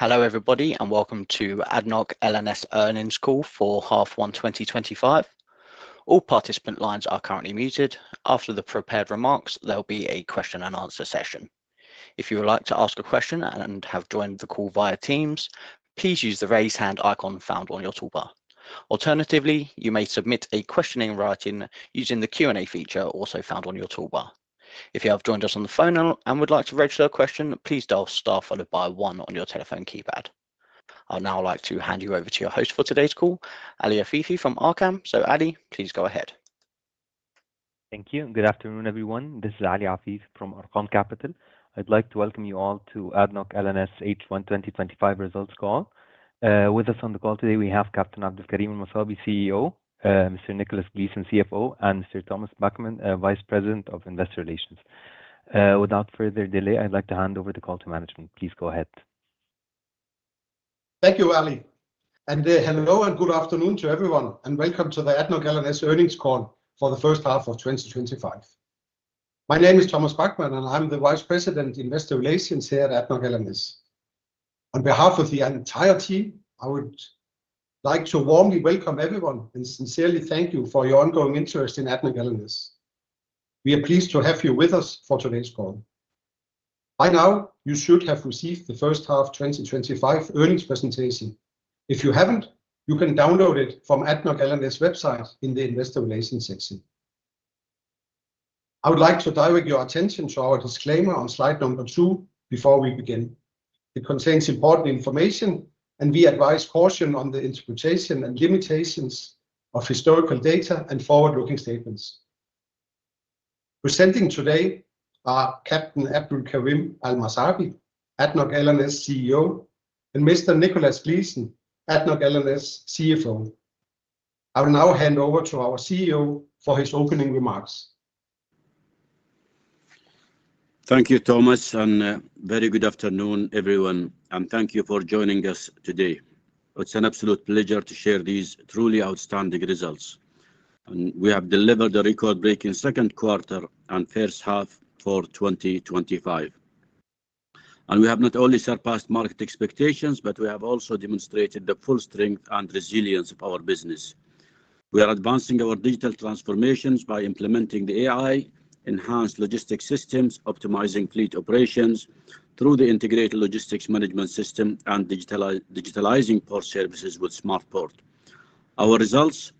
Hello everybody, and welcome to ADNOC L&S earnings call for half one 2025. All participant lines are currently muted. After the prepared remarks, there'll be a question and answer session. If you would like to ask a question and have joined the call via Teams, please use the raise hand icon found on your toolbar. Alternatively, you may submit a question in writing using the Q&A feature also found on your toolbar. If you have joined us on the phone now and would like to register a question, please dial star followed by one on your telephone keypad. I'll now like to hand you over to your host for today's call, Ali Afifi from Arcam Capital. Ali, please go ahead. Thank you. Good afternoon everyone. This is Ali Afifi from Arcam Capital. I'd like to welcome to ADNOC L&S h1 2025 results call. With us on the call today, we have Captain Abdulkareem Almessabi, CEO, Mr. Nicholas Murray Gleeson, CFO, and Mr. Thomas Backmann, Vice President of Investor Relations. Without further delay, I'd like to hand over the call to management. Please go ahead. Thank you, Ali. Hello and good afternoon to everyone, and the ADNOC L&S earnings call for the first half of 2025. My name is Thomas Backmann, and I'm the Vice President of Investor at ADNOC L&S. on behalf of the entire team, I would like to warmly welcome everyone and sincerely thank you for your in ADNOC L&S. we are pleased to have you with us for today's call. By now, you should have received the first half 2025 earnings presentation. If you haven't, you can the ADNOC L&S website in the Investor Relations section. I would like to direct your attention to our disclaimer on slide number two before we begin. It contains important information, and we advise caution on the interpretation and limitations of historical data and forward-looking statements. Presenting today are Captain Abdulkareem Al Messabi, ADNOC L&S CEO, and Mr. Gleeson, ADNOC L&S CFO. i will now hand over to our CEO for his opening remarks. Thank you, Thomas, and very good afternoon everyone, and thank you for joining us today. It's an absolute pleasure to share these truly outstanding results. We have delivered a record-breaking SICOnd quarter and first half for 2025. We have not only surpassed market expectations, but we have also demonstrated the full strength and resilience of our business. We are advancing our digital transformations by implementing the AI, enhanced logistics optimization systems, optimizing fleet operations through the Integrated Logistics Management System, and digitalizing port services with SmartPort. Our results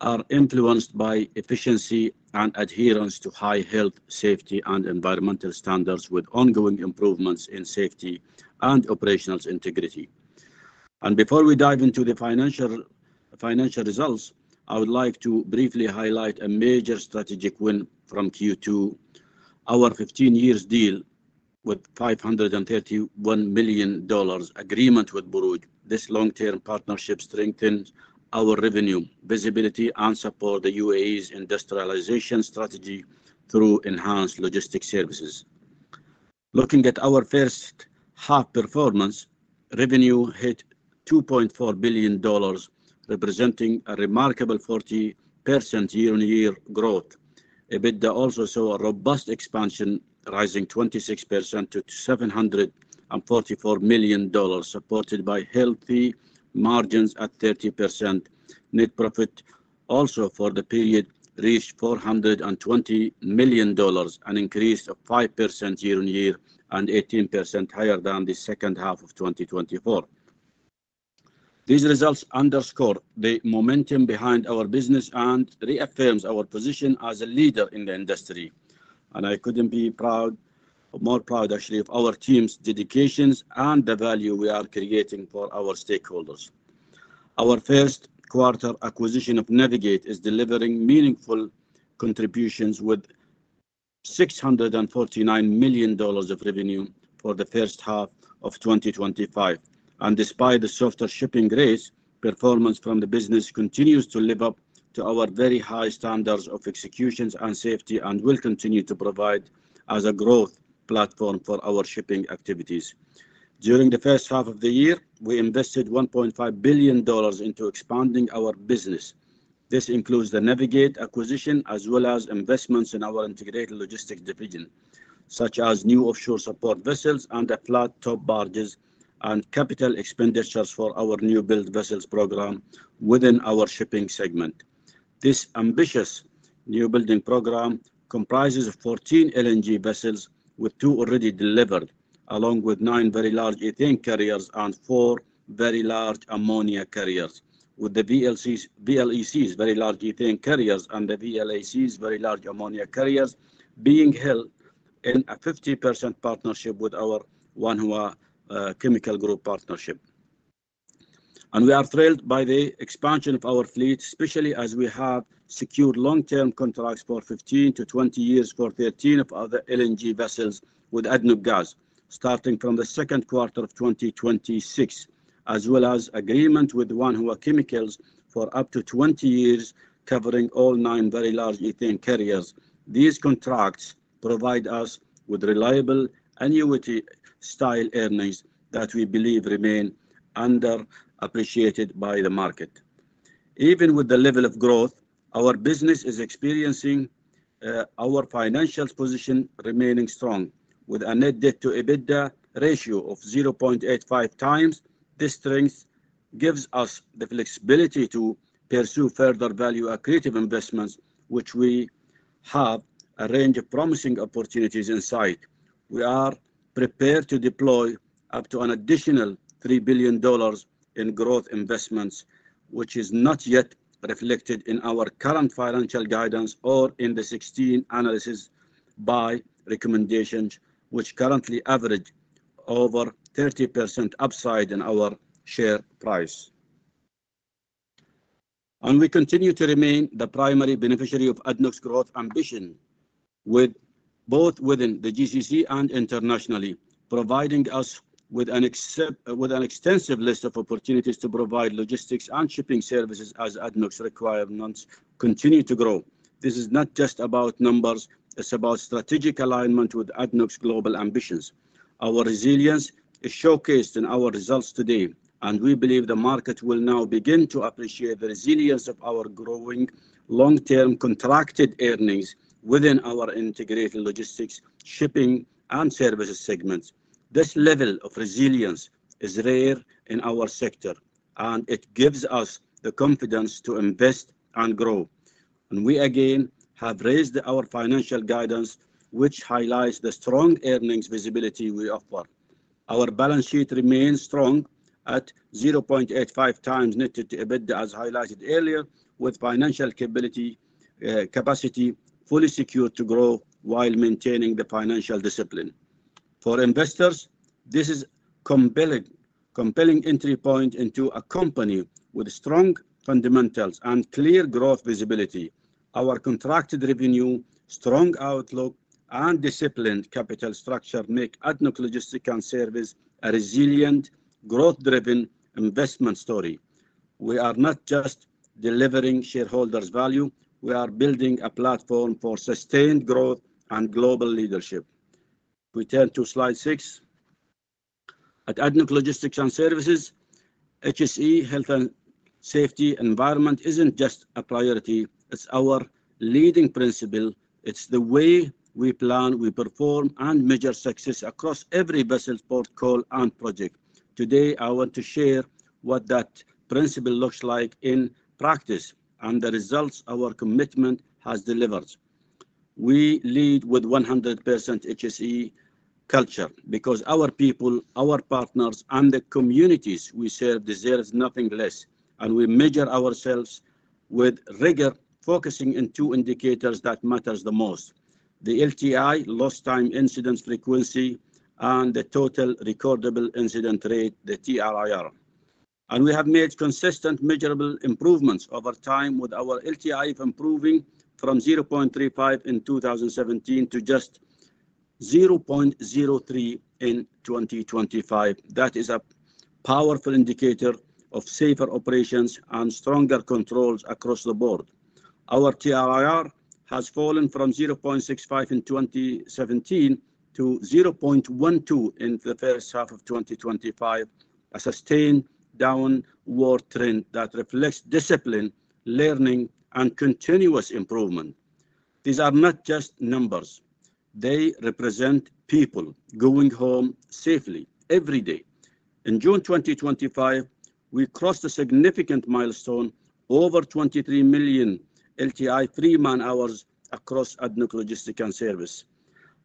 are influenced by efficiency and adherence to high health, safety, and environmental standards, with ongoing improvements in safety and operational integrity. Before we dive into the financial results, I would like to briefly highlight a major strategic win from Q2, our 15-year, $531 million agreement with Borouge. This long-term partnership strengthens our revenue visibility and supports the UAE's industrialization strategy through enhanced logistics services. Looking at our first half performance, revenue hit $2.4 billion, representing a remarkable 40% year-on-year growth. EBITDA also saw a robust expansion, rising 26% to $744 million, supported by healthy margins at 30%. Net profit for the period reached $420 million, an increase of 5% year-on-year and 18% higher than the SICOnd half of 2024. These results underscore the momentum behind our business and reaffirm our position as a leader in the industry. I couldn't be more proud, actually, of our team's dedication and the value we are creating for our stakeholders. Our first quarter acquisition of Navig8 is delivering meaningful contributions with $649 million of revenue for the first half of 2025. Despite the softer shipping rates, performance from the business continues to live up to our very high standards of execution and safety and will continue to provide as a growth platform for our shipping activities. During the first half of the year, we invested $1.5 billion into expanding our business. This includes the Navig8 acquisition as well as investments in our integrated logistics division, such as new Offshore Support Vessels and the Jack-Up Barges and capital expenditures for our new build vessels program within our shipping segment. This ambitious new building program comprises 14 LNG vessels with two already delivered, along with nine very large ethane carriers and four very large ammonia carriers, with the VLECs, very large ethane carriers, and the VLACs, very large ammonia carriers, being held in a 50% partnership with our Wanhua Chemical Group partnership. We are thrilled by the expansion of our fleet, especially as we have secured long-term contracts for 15-20 years for 13 of the LNG vessels with ADNOC Gas, starting from the SICOnd quarter of 2026, as well as agreements with Wanhua Chemical Group for up to 20 years, covering all nine very large ethane carriers. These contracts provide us with reliable annuity-style earnings that we believe remain underappreciated by the market. Even with the level of growth our business is experiencing, our financial position remains strong, with a net debt/EBITDA ratio of 0.85x. This strength gives us the flexibility to pursue further value-accretive investments, which we have a range of promising opportunities in sight. We are prepared to deploy up to an additional $3 billion in growth investments, which is not yet reflected in our current financial guidance or in the 16 analysis by recommendations, which currently average over 30% upside in our share price. We continue to remain the primary beneficiary of ADNOC's growth ambition, both within the GCC and internationally, providing us with an extensive list of opportunities to provide logistics and shipping services as ADNOC's requirements continue to grow. This is not just about numbers; it is about strategic alignment with ADNOC's global ambitions. Our resilience is showcased in our results today, and we believe the market will now begin to appreciate the resilience of our growing long-term contracted earnings within our integrated logistics, shipping, and services segments. This level of resilience is rare in our sector, and it gives us the confidence to invest and grow. We again have raised our financial guidance, which highlights the strong earnings visibility we offer. Our balance sheet remains strong at 0.85x net debt/EBITDA, as highlighted earlier, with financial capacity fully secured to grow while maintaining the financial discipline. For investors, this is a compelling entry point into a company with strong fundamentals and clear growth visibility. Our contracted revenue, strong outlook, and disciplined capital structure ADNOC Logistics & Services a resilient, growth-driven investment story. We are not just delivering shareholders' value, we are building a platform for sustained growth and global leadership. We turn to slide six. ADNOC Logistics & Services, HSE (health, safety, and environmental) isn't just a priority, it's our leading principle. It's the way we plan, we perform, and measure success across every vessel port call and project. Today, I want to share what that principle looks like in practice and the results our commitment has delivered. We lead with 100% HSE culture because our people, our partners, and the communities we serve deserve nothing less. We measure ourselves with rigor, focusing on two indicators that matter the most: the LTI (lost time incident) frequency and the total recordable incident rate, the TRIR. We have made consistent measurable improvements over time with our LTI improving from 0.35 in 2017 to just 0.03 in 2025. That is a powerful indicator of safer operations and stronger controls across the board. Our TRIR has fallen from 0.65 in 2017 to 0.12 in the first half of 2025, a sustained downward trend that reflects discipline, learning, and continuous improvement. These are not just numbers, they represent people going home safely every day. In June 2025, we crossed a significant milestone: over 23 million LTI free man-hours ADNOC Logistics & Services.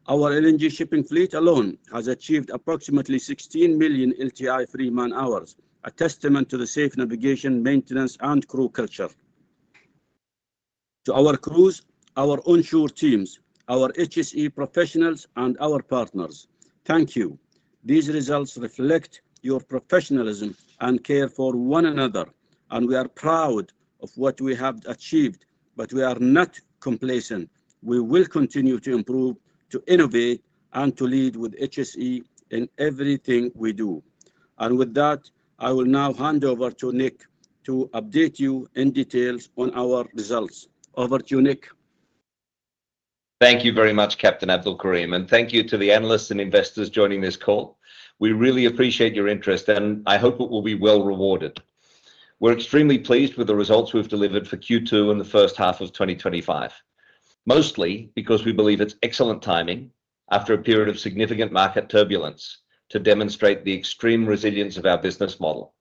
our LNG shipping fleet alone has achieved approximately 16 million LTI free man-hours, a testament to the safe navigation, maintenance, and crew culture. To our crews, our onshore teams, our HSE professionals, and our partners, thank you. These results reflect your professionalism and care for one another, and we are proud of what we have achieved, but we are not complacent. We will continue to improve, to innovate, and to lead with HSE in everything we do. With that, I will now hand over to Nick to update you in details on our results. Over to you, Nick. Thank you very much, Captain Abdulkareem, and thank you to the analysts and investors joining this call. We really appreciate your interest, and I hope it will be well-rewarded. We're extremely pleased with the results we've delivered for Q2 in the first half of 2025, mostly because we believe it's excellent timing after a period of significant market turbulence to demonstrate the extreme resilience of our business model.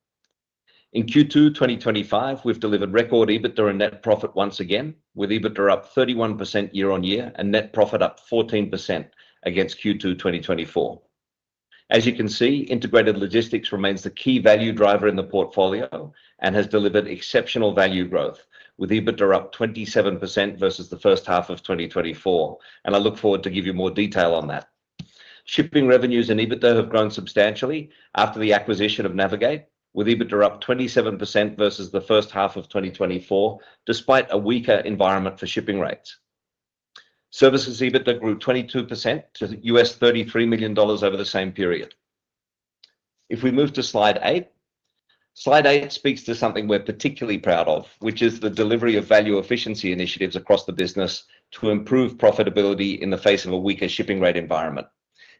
In Q2 2025, we've delivered record EBITDA and net profit once again, with EBITDA up 31% year-on-year and net profit up 14% against Q2 2024. As you can see, integrated logistics remains the key value driver in the portfolio and has delivered exceptional value growth, with EBITDA up 27% versus the first half of 2024, and I look forward to giving you more detail on that. Shipping revenues and EBITDA have grown substantially after the acquisition of Navig8, with EBITDA up 27% versus the first half of 2024, despite a weaker environment for shipping rates. Services EBITDA grew 22% to $33 million over the same period. If we move to slide eight, slide eight speaks to something we're particularly proud of, which is the delivery of value efficiency initiatives across the business to improve profitability in the face of a weaker shipping rate environment.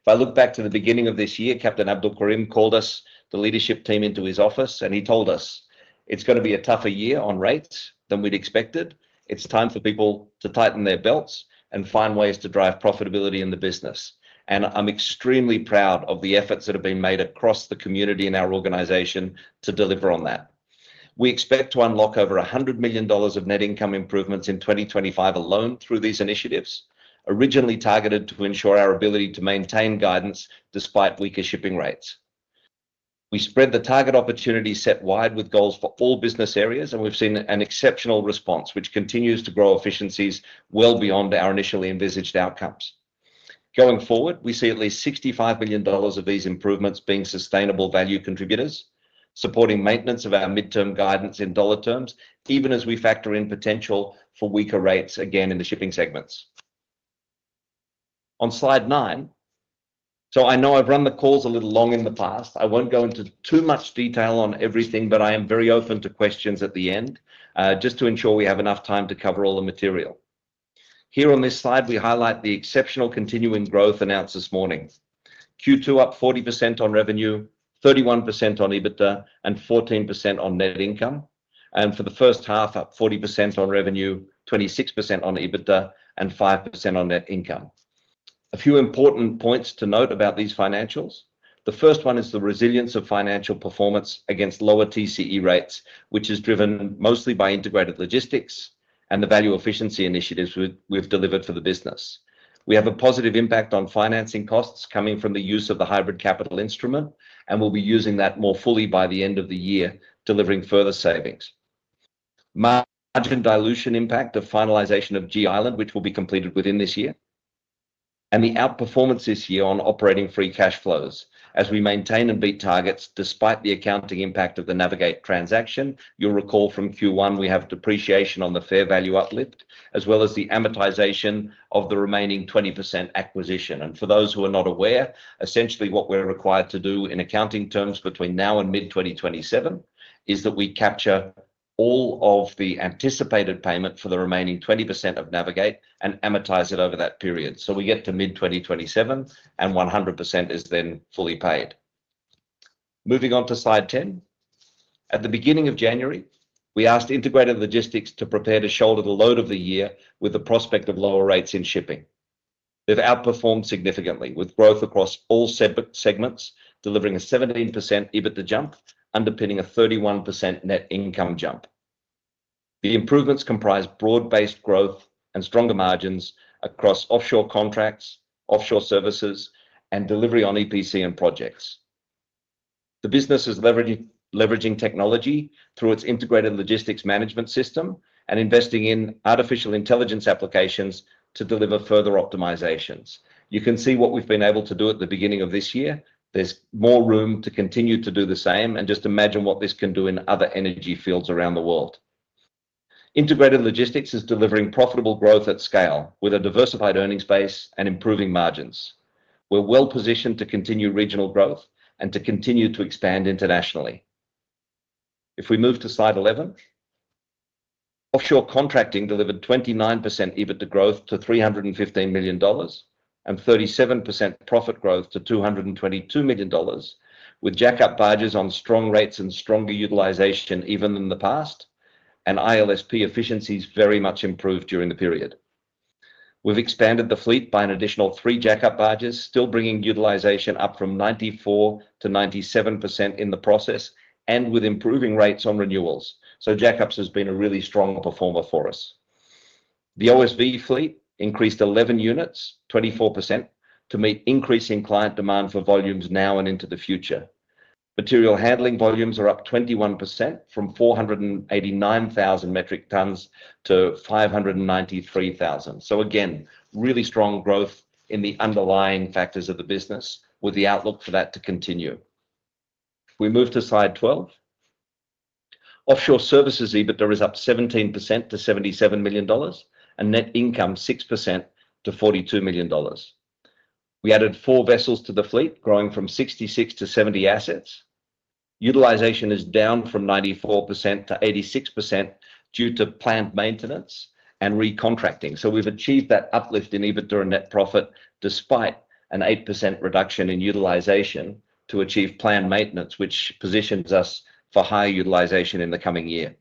If I look back to the beginning of this year, Captain Abdulkareem called us, the leadership team, into his office, and he told us it's going to be a tougher year on rates than we'd expected. It's time for people to tighten their belts and find ways to drive profitability in the business. I'm extremely proud of the efforts that have been made across the community in our organization to deliver on that. We expect to unlock over $100 million of net income improvements in 2025 alone through these initiatives, originally targeted to ensure our ability to maintain guidance despite weaker shipping rates. We spread the target opportunity set wide with goals for all business areas, and we've seen an exceptional response, which continues to grow efficiencies well beyond our initially envisaged outcomes. Going forward, we see at least $65 million of these improvements being sustainable value contributors, supporting maintenance of our midterm guidance in dollar terms, even as we factor in potential for weaker rates again in the shipping segments. On slide nine, I know I've run the calls a little long in the past. I won't go into too much detail on everything, but I am very open to questions at the end, just to ensure we have enough time to cover all the material. Here on this slide, we highlight the exceptional continuing growth announced this morning. Q2 up 40% on revenue, 31% on EBITDA, and 14% on net income, and for the first half, up 40% on revenue, 26% on EBITDA, and 5% on net income. A few important points to note about these financials. The first one is the resilience of financial performance against lower TCE rates, which is driven mostly by integrated logistics and the value efficiency initiatives we've delivered for the business. We have a positive impact on financing costs coming from the use of the hybrid capital instrument, and we'll be using that more fully by the end of the year, delivering further savings. Margin dilution impact of finalization of G Island, which will be completed within this year, and the outperformance this year on operating free cash flows. As we maintain and beat targets, despite the accounting impact of the Navig8 transaction, you'll recall from Q1 we have depreciation on the fair value uplift, as well as the amortization of the remaining 20% acquisition. For those who are not aware, essentially what we're required to do in accounting terms between now and mid-2027 is that we capture all of the anticipated payment for the remaining 20% of Navig8 and amortize it over that period. We get to mid-2027 and 100% is then fully paid. Moving on to slide 10. At the beginning of January, we asked integrated logistics to prepare to shoulder the load of the year with the prospect of lower rates in shipping. They've outperformed significantly with growth across all segments, delivering a 17% EBITDA jump, underpinning a 31% net income jump. The improvements comprise broad-based growth and stronger margins across offshore contracts, offshore services, and delivery on EPC and projects. The business is leveraging technology through its Integrated Logistics Management System and investing in artificial intelligence applications to deliver further optimizations. You can see what we've been able to do at the beginning of this year. There's more room to continue to do the same, and just imagine what this can do in other energy fields around the world. Integrated logistics is delivering profitable growth at scale with a diversified earnings base and improving margins. We're well-positioned to continue regional growth and to continue to expand internationally. If we move to slide 11, offshore contracting delivered 29% EBITDA growth to $315 million and 37% profit growth to $222 million, with Jack-Up Barges on strong rates and stronger utilization even than the past, and ILSP efficiencies very much improved during the period. We've expanded the fleet by an additional three Jack-Up Barges, still bringing utilization up from 94%-97% in the process, and with improving rates on renewals. Jack-Ups have been a really strong performer for us. The OSV fleet increased 11 units, 24%, to meet increasing client demand for volumes now and into the future. Material handling volumes are up 21% from 489,000 metric tons to 593,000. Really strong growth in the underlying factors of the business with the outlook for that to continue. We move to slide 12. Offshore services EBITDA is up 17% to $77 million and net income 6% to $42 million. We added four vessels to the fleet, growing from 66-70 assets. Utilization is down from 94%-86% due to planned maintenance and re-contracting. We've achieved that uplift in EBITDA and net profit despite an 8% reduction in utilization to achieve planned maintenance, which positions us for higher utilization in the coming year.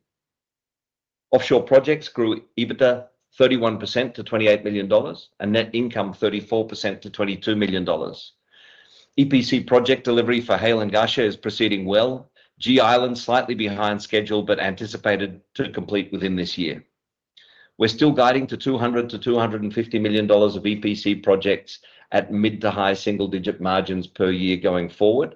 Offshore projects grew EBITDA 31% to $28 million and net income 34% to $22 million. EPC project delivery for Hail and Ghasha is proceeding well. G Island is slightly behind schedule but anticipated to complete within this year. We're still guiding to $200 million-$250 million of EPC projects at mid to high single-digit margins per year going forward.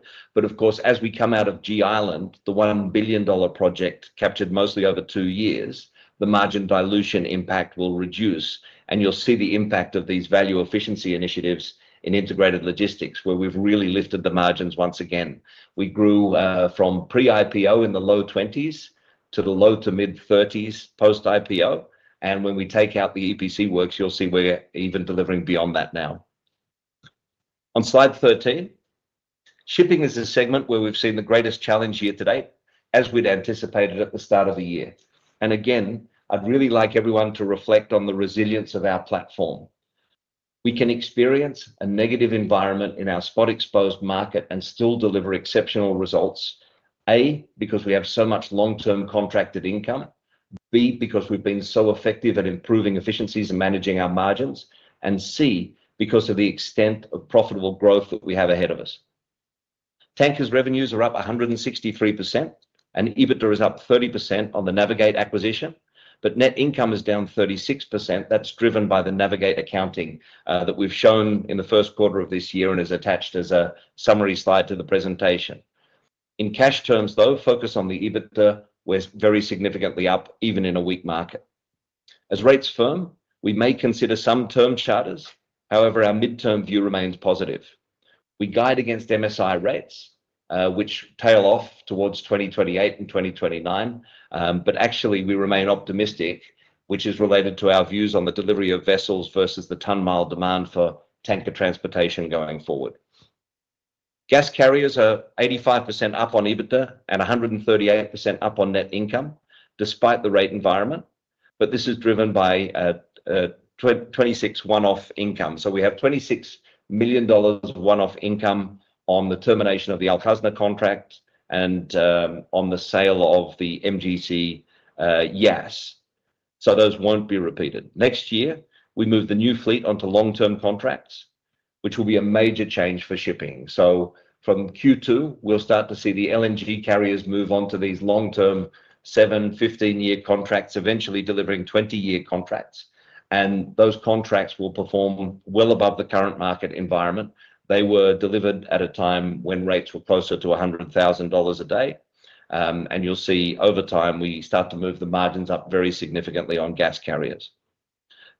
As we come out of G Island, the $1 billion project captured mostly over two years, the margin dilution impact will reduce, and you'll see the impact of these value efficiency initiatives in integrated logistics where we've really lifted the margins once again. We grew from pre-IPO in the low 20s to the low to mid 30s post-IPO, and when we take out the EPC works, you'll see we're even delivering beyond that now. On slide 13, shipping is a segment where we've seen the greatest challenge year to date, as we'd anticipated at the start of the year. I'd really like everyone to reflect on the resilience of our platform. We can experience a negative environment in our spot-exposed market and still deliver exceptional results. A, because we have so much long-term contracted income, B, because we've been so effective at improving efficiencies and managing our margins, and C, because of the extent of profitable growth that we have ahead of us. Tankers revenues are up 163%, and EBITDA is up 30% on the Navig8 acquisition, but net income is down 36%. That's driven by the Navig8 accounting that we've shown in the first quarter of this year and is attached as a summary slide to the presentation. In cash terms, though, focus on the EBITDA was very significantly up, even in a weak market. As rates firm, we may consider some term charters; however, our mid-term view remains positive. We guide against MSI rates, which tail off towards 2028 and 2029, but actually we remain optimistic, which is related to our views on the delivery of vessels versus the ton-mile demand for tanker transportation going forward. Gas carriers are 85% up on EBITDA and 138% up on net income, despite the rate environment, but this is driven by a 26% one-off income. We have $26 million of one-off income on the termination of the Al-Khazneh contract and on the sale of the MGC Yas. Those won't be repeated. Next year, we move the new fleet onto long-term contracts, which will be a major change for shipping. From Q2, we'll start to see the LNG carriers move onto these long-term seven 15-year contracts, eventually delivering 20-year contracts. Those contracts will perform well above the current market environment. They were delivered at a time when rates were closer to $100,000 a day. Over time we start to move the margins up very significantly on gas carriers.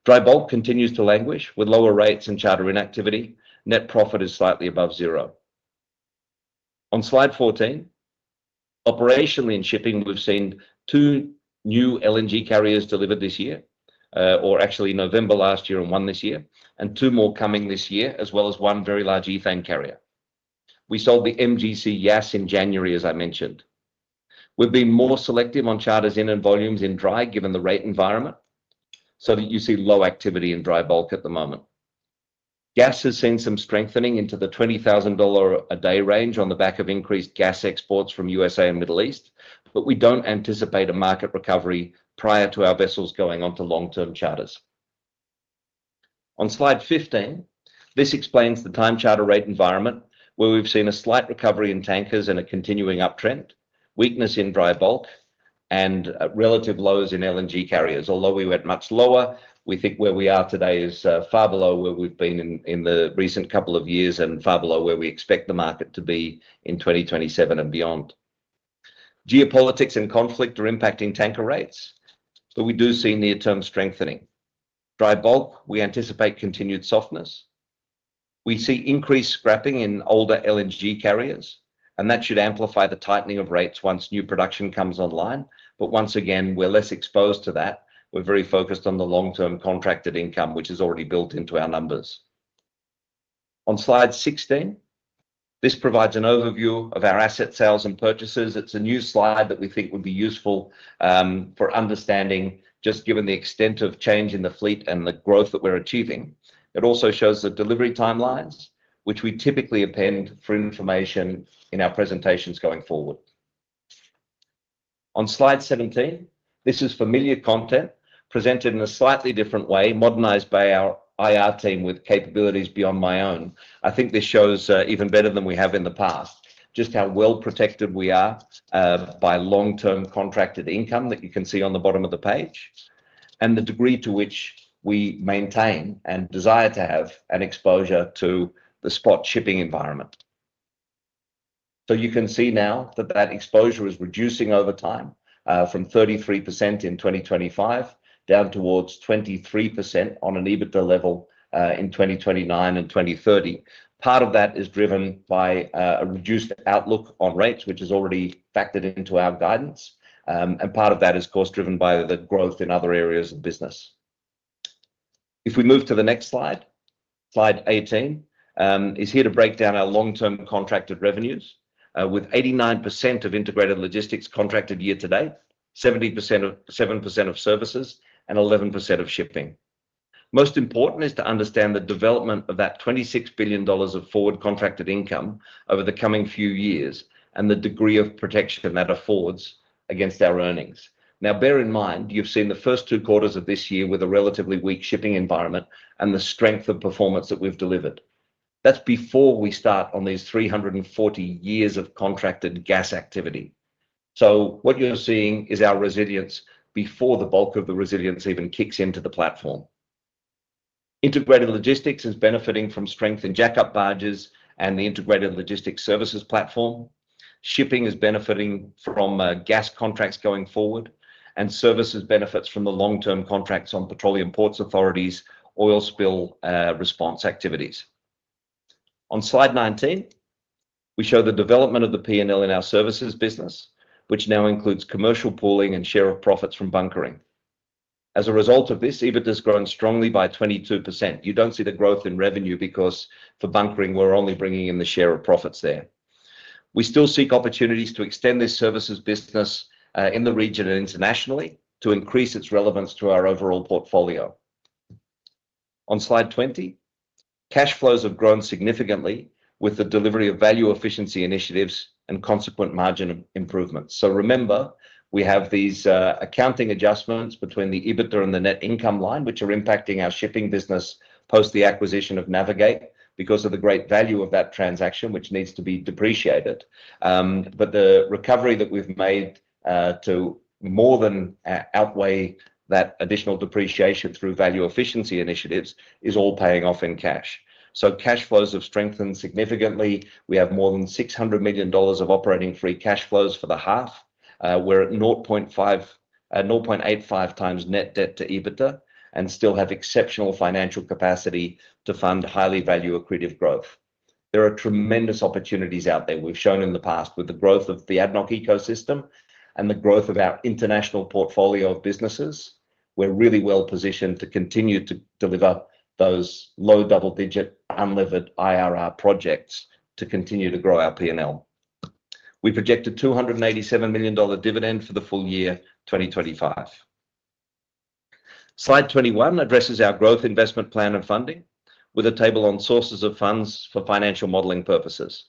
Dry bulk continues to languish with lower rates and charter inactivity. Net profit is slightly above zero. On slide 14, operationally in shipping, we've seen two new LNG carriers delivered this year, or actually November last year and one this year, and two more coming this year, as well as one Very Large Ethane Carrier. We sold the MGC Yas in January, as I mentioned. We've been more selective on charters in and volumes in dry, given the rate environment, so that you see low activity in dry bulk at the moment. Gas has seen some strengthening into the $20,000 a day range on the back of increased gas exports from USA and Middle East, but we don't anticipate a market recovery prior to our vessels going onto long-term charters. On slide 15, this explains the time charter rate environment where we've seen a slight recovery in tankers and a continuing uptrend, weakness in dry bulk, and relative lows in LNG carriers. Although we went much lower, we think where we are today is far below where we've been in the recent couple of years and far below where we expect the market to be in 2027 and beyond. Geopolitics and conflict are impacting tanker rates, but we do see near-term strengthening. Dry bulk, we anticipate continued softness. We see increased scrapping in older LNG carriers, and that should amplify the tightening of rates once new production comes online. We're less exposed to that. We're very focused on the long-term contracted income, which is already built into our numbers. On slide 16, this provides an overview of our asset sales and purchases. It's a new slide that we think would be useful for understanding, just given the extent of change in the fleet and the growth that we're achieving. It also shows the delivery timelines, which we typically append for information in our presentations going forward. On slide 17, this is familiar content presented in a slightly different way, modernized by our IR team with capabilities beyond my own. I think this shows even better than we have in the past, just how well protected we are by long-term contracted income that you can see on the bottom of the page, and the degree to which we maintain and desire to have an exposure to the spot shipping environment. You can see now that that exposure is reducing over time from 33% in 2025 down towards 23% on an EBITDA level in 2029 and 2030. Part of that is driven by a reduced outlook on rates, which is already factored into our guidance, and part of that is, of course, driven by the growth in other areas of the business. If we move to the next slide, slide 18, it's here to break down our long-term contracted revenues, with 89% of integrated logistics contracted year to date, 7% of services, and 11% of shipping. Most important is to understand the development of that $26 billion of forward contracted income over the coming few years and the degree of protection that affords against our earnings. Now, bear in mind, you've seen the first two quarters of this year with a relatively weak shipping environment and the strength of performance that we've delivered. That's before we start on these 340 years of contracted gas activity. What you're seeing is our resilience before the bulk of the resilience even kicks into the platform. Integrated logistics is benefiting from strength in Jack-Up Barges and the Integrated Logistics Services Platform. Shipping is benefiting from gas contracts going forward, and services benefit from the long-term contracts on petroleum ports authorities and oil spill response activities. On slide 19, we show the development of the P&L in our services business, which now includes commercial pooling and share of profits from bunkering. As a result of this, EBITDA is growing strongly by 22%. You don't see the growth in revenue because for bunkering, we're only bringing in the share of profits there. We still seek opportunities to extend this services business in the region and internationally to increase its relevance to our overall portfolio. On slide 20, cash flows have grown significantly with the delivery of value efficiency initiatives and consequent margin improvements. Remember, we have these accounting adjustments between the EBITDA and the net income line, which are impacting our shipping business post the acquisition of Navig8 because of the great value of that transaction, which needs to be depreciated. The recovery that we've made to more than outweigh that additional depreciation through value efficiency initiatives is all paying off in cash. Cash flows have strengthened significantly. We have more than $600 million of operating free cash flows for the half. We're at 0.85x net debt/EBITDA and still have exceptional financial capacity to fund highly value accretive growth. There are tremendous opportunities out there. We've shown in the past with the growth of the ADNOC ecosystem and the growth of our international portfolio of businesses, we're really well-positioned to continue to deliver those low double-digit unlevered IRR projects to continue to grow our P&L. We project a $287 million dividend for the full year 2025. Slide 21 addresses our growth investment plan and funding with a table on sources of funds for financial modeling purposes.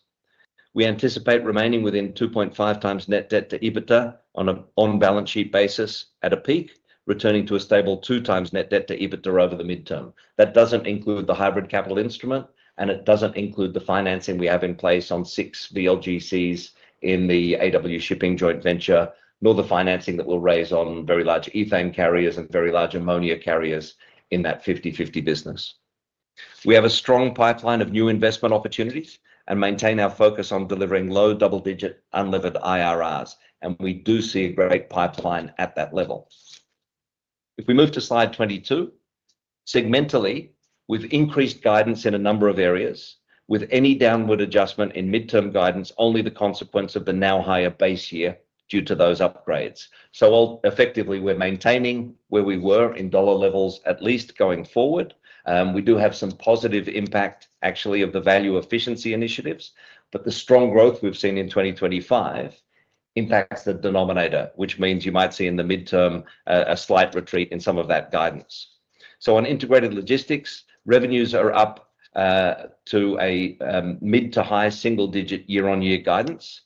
We anticipate remaining within 2.5x net debt/EBITDA on an on-balance sheet basis at a peak, returning to a stable 2x net debt/EBITDA over the midterm. That doesn't include the hybrid capital instrument, and it doesn't include the financing we have in place on six VLGCs in the AW Shipping joint venture, nor the financing that we'll raise on very large ethane carriers and very large ammonia carriers in that 50/50 business. We have a strong pipeline of new investment opportunities and maintain our focus on delivering low double-digit unlevered IRRs, and we do see a great pipeline at that level. If we move to slide 22, segmentally, we've increased guidance in a number of areas, with any downward adjustment in midterm guidance only the consequence of the now higher base year due to those upgrades. Effectively, we're maintaining where we were in dollar levels at least going forward. We do have some positive impact, actually, of the value efficiency initiatives, but the strong growth we've seen in 2025 impacts the denominator, which means you might see in the midterm a slight retreat in some of that guidance. On integrated logistics, revenues are up to a mid to high single-digit year-on-year guidance,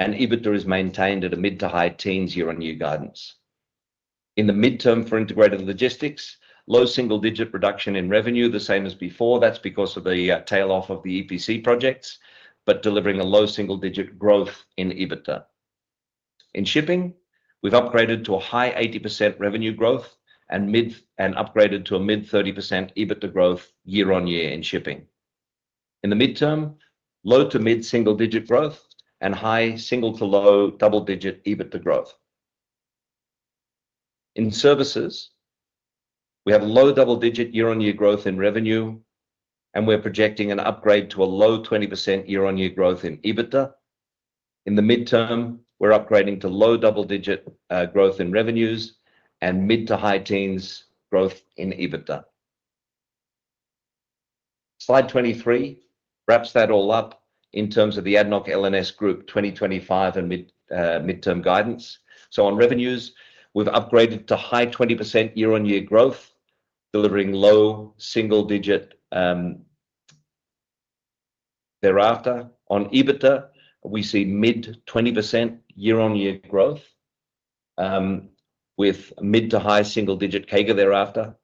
and EBITDA is maintained at a mid to high teens year-on-year guidance. In the midterm for integrated logistics, low single-digit reduction in revenue, the same as before. That's because of the tail-off of the EPC projects, but delivering a low single-digit growth in EBITDA. In shipping, we've upgraded to a high 80% revenue growth and upgraded to a mid-30% EBITDA growth year-on-year in shipping. In the midterm, low to mid-single-digit growth and high single to low double-digit EBITDA growth. In services, we have low double-digit year-on-year growth in revenue, and we're projecting an upgrade to a low 20% year-on-year growth in EBITDA. In the midterm, we're upgrading to low double-digit growth in revenues and mid to high teens growth in EBITDA. Slide 23 wraps that all up in the ADNOC L&S group 2025 and midterm guidance. On revenues, we've upgraded to high 20% year-on-year growth, delivering low single-digit thereafter. On EBITDA, we see mid-20% year-on-year growth with mid to high single-digit CAGR thereafter.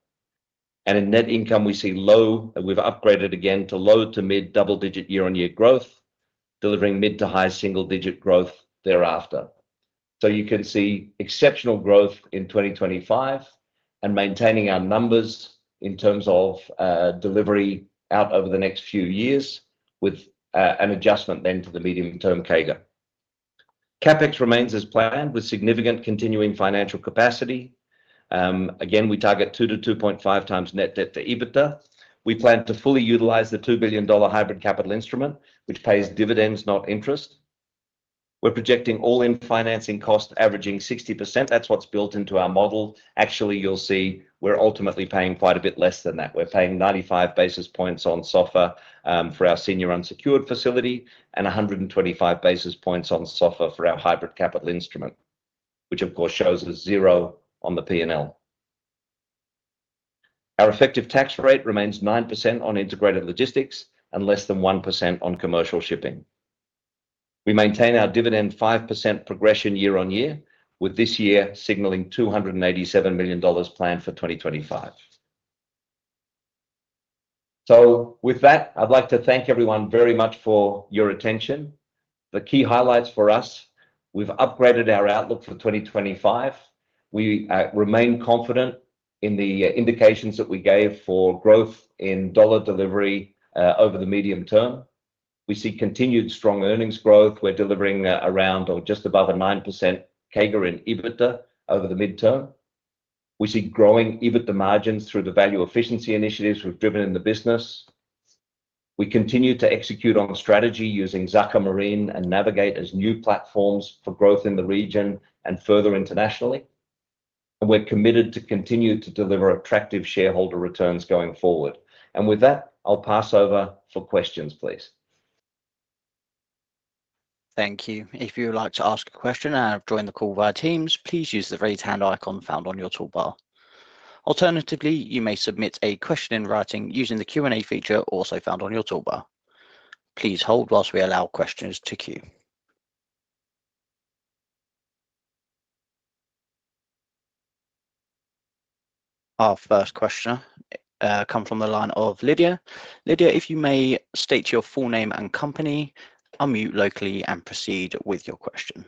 In net income, we see low, and we've upgraded again to low to mid double-digit year-on-year growth, delivering mid to high single-digit growth thereafter. You can see exceptional growth in 2025 and maintaining our numbers in terms of delivery out over the next few years with an adjustment then to the medium-term CAGR. CapEx remains as planned with significant continuing financial capacity. Again, we target 2x-2.5x net debt/EBITDA. We plan to fully utilize the $2 billion hybrid capital instrument, which pays dividends, not interest. We're projecting all-in financing costs averaging 60%. That's what's built into our model. Actually, you'll see we're ultimately paying quite a bit less than that. We're paying 95 basis points on SOFR for our senior unsecured facility and 125 basis points on SOFR for our hybrid capital instrument, which of course shows a zero on the P&L. Our effective tax rate remains 9% on Integrated Logistics and less than 1% on Commercial Shipping. We maintain our dividend 5% progression year-on-year, with this year signaling $287 million planned for 2025. I would like to thank everyone very much for your attention. The key highlights for us, we've upgraded our outlook for 2025. We remain confident in the indications that we gave for growth in dollar delivery over the medium term. We see continued strong earnings growth. We're delivering around or just above a 9% CAGR in EBITDA over the midterm. We see growing EBITDA margins through the value efficiency initiatives we've driven in the business. We continue to execute on strategy using Zakher Marine International and Navig8 as new platforms for growth in the region and further internationally. We're committed to continue to deliver attractive shareholder returns going forward. With that, I'll pass over for questions, please. Thank you. If you would like to ask a question and join the call via Teams, please use the raised hand icon found on your toolbar. Alternatively, you may submit a question in writing using the Q&A feature also found on your toolbar. Please hold while we allow questions to queue. Our first question comes from the line of Lydia. Lydia, if you may state your full name and company, unmute locally, and proceed with your question.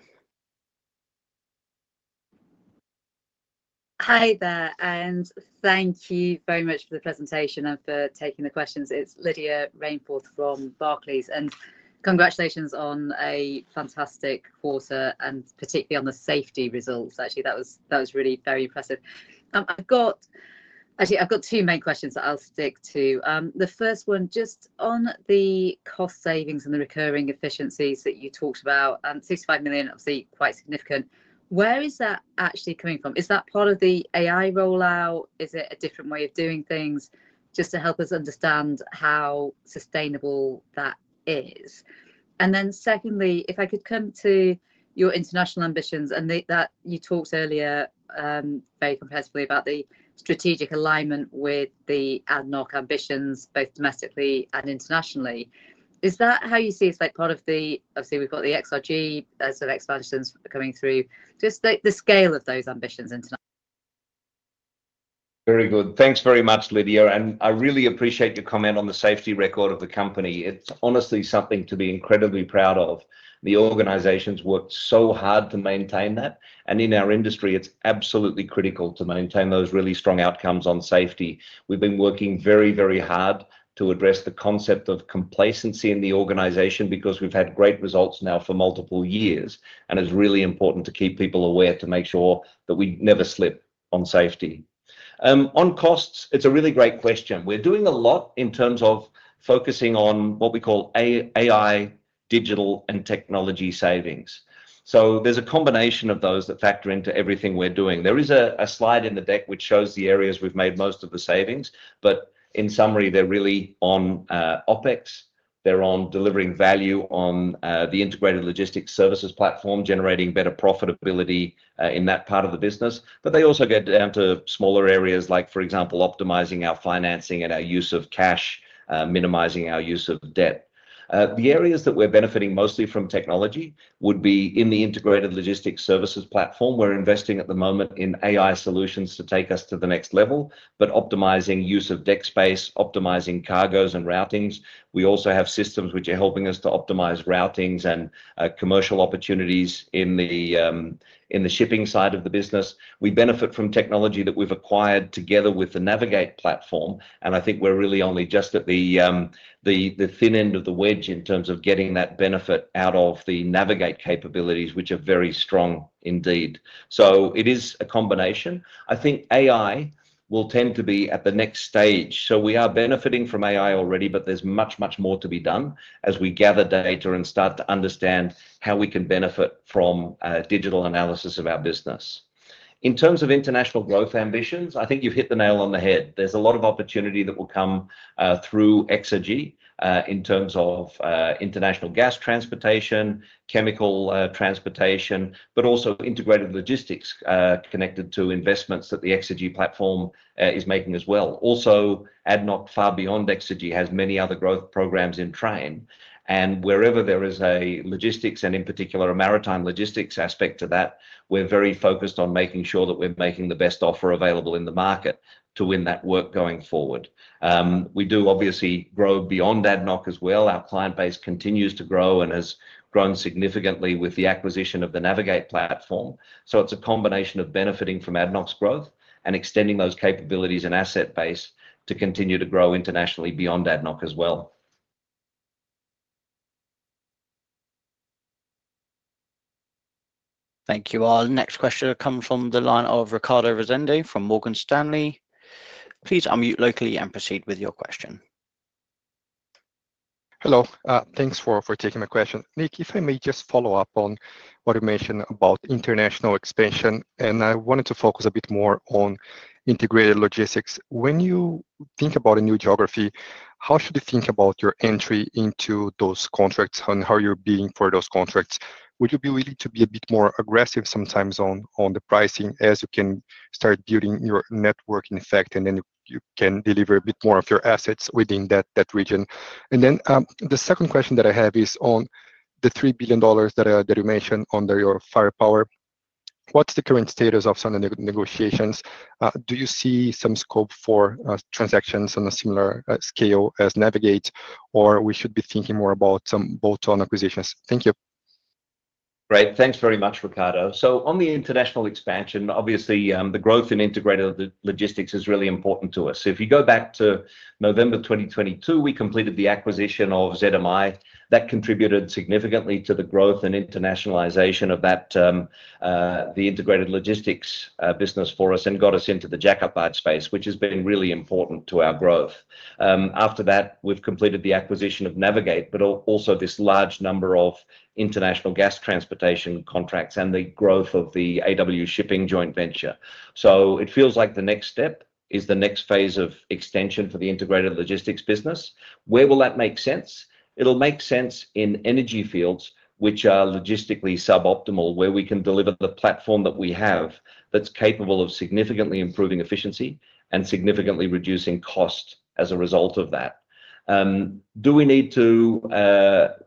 Hi there, and thank you very much for the presentation and for taking the questions. It's Lydia Rainford from Barclays, and congratulations on a fantastic quarter and particularly on the safety results. That was really very impressive. I've got two main questions that I'll stick to. The first one just on the cost savings and the recurring efficiencies that you talked about. $65 million is obviously quite significant. Where is that actually coming from? Is that part of the AI rollout? Is it a different way of doing things? Just to help us understand how sustainable that is. SICOndly, if I could come to your international ambitions and that you talked earlier, very comparatively about the strategic alignment with the ADNOC ambitions, both domestically and internationally. Is that how you see it as part of the, obviously, we've got the XRG as of expansions coming through, just the scale of those ambitions internationally? Very good. Thanks very much, Lydia, and I really appreciate your comment on the safety record of the company. It's honestly something to be incredibly proud of. The organization's worked so hard to maintain that, and in our industry, it's absolutely critical to maintain those really strong outcomes on safety. We've been working very, very hard to address the concept of complacency in the organization because we've had great results now for multiple years, and it's really important to keep people aware to make sure that we never slip on safety. On costs, it's a really great question. We're doing a lot in terms of focusing on what we call AI, digital, and technology savings. There's a combination of those that factor into everything we're doing. There is a slide in the deck which shows the areas we've made most of the savings, but in summary, they're really on OpEx. They're on delivering value on the Integrated Logistics Services Platform, generating better profitability in that part of the business. They also go down to smaller areas like, for example, optimizing our financing and our use of cash, minimizing our use of debt. The areas that we're benefiting mostly from technology would be in the Integrated Logistics Services Platform. We're investing at the moment in AI solutions to take us to the next level, optimizing use of deck space, optimizing cargoes and routings. We also have systems which are helping us to optimize routings and commercial opportunities in the shipping side of the business. We benefit from technology that we've acquired together with the Navig8 platform, and I think we're really only just at the thin end of the wedge in terms of getting that benefit out of the Navig8 capabilities, which are very strong indeed. It is a combination. I think AI will tend to be at the next stage. We are benefiting from AI already, but there's much, much more to be done as we gather data and start to understand how we can benefit from digital analysis of our business. In terms of international growth ambitions, I think you've hit the nail on the head. There's a lot of opportunity that will come through XRG in terms of international gas transportation, chemical transportation, but also integrated logistics connected to investments that the XRG platform is making as well. Also, ADNOC far beyond XRG has many other growth programs in train, and wherever there is a logistics, and in particular a maritime logistics aspect to that, we're very focused on making sure that we're making the best offer available in the market to win that work going forward. We do obviously grow beyond ADNOC as well. Our client base continues to grow and has grown significantly with the acquisition of the Navig8 platform. It's a combination of benefiting from ADNOC's growth and extending those capabilities and asset base to continue to grow internationally beyond ADNOC as well. Thank you all. Next question will come from the line of Ricardo Rezende from Morgan Stanley. Please unmute locally and proceed with your question. Hello. Thanks for taking my question. Nick, if I may just follow up on what you mentioned about international expansion, I wanted to focus a bit more on integrated logistics. When you think about a new geography, how should you think about your entry into those contracts and how you're bidding for those contracts? Would you be willing to be a bit more aggressive sometimes on the pricing as you can start building your network effect, and then you can deliver a bit more of your assets within that region? The SICOnd question that I have is on the $3 billion that you mentioned under your firepower. What's the current status of some of the negotiations? Do you see some scope for transactions on a similar scale as Navig8, or should we be thinking more about some bolt-on acquisitions? Thank you. Right. Thanks very much, Ricardo. On the international expansion, obviously the growth in integrated logistics is really important to us. If you go back to November 2022, we completed the acquisition of ZMI. That contributed significantly to the growth and internationalization of the integrated logistics business for us and got us into the Jack-Up Barges space, which has been really important to our growth. After that, we've completed the acquisition of Navig8, but also this large number of international gas transportation contracts and the growth of the AW Shipping joint venture. It feels like the next step is the next phase of extension for the integrated logistics business. Where will that make sense? It'll make sense in energy fields which are logistically suboptimal, where we can deliver the platform that we have that's capable of significantly improving efficiency and significantly reducing cost as a result of that. Do we need to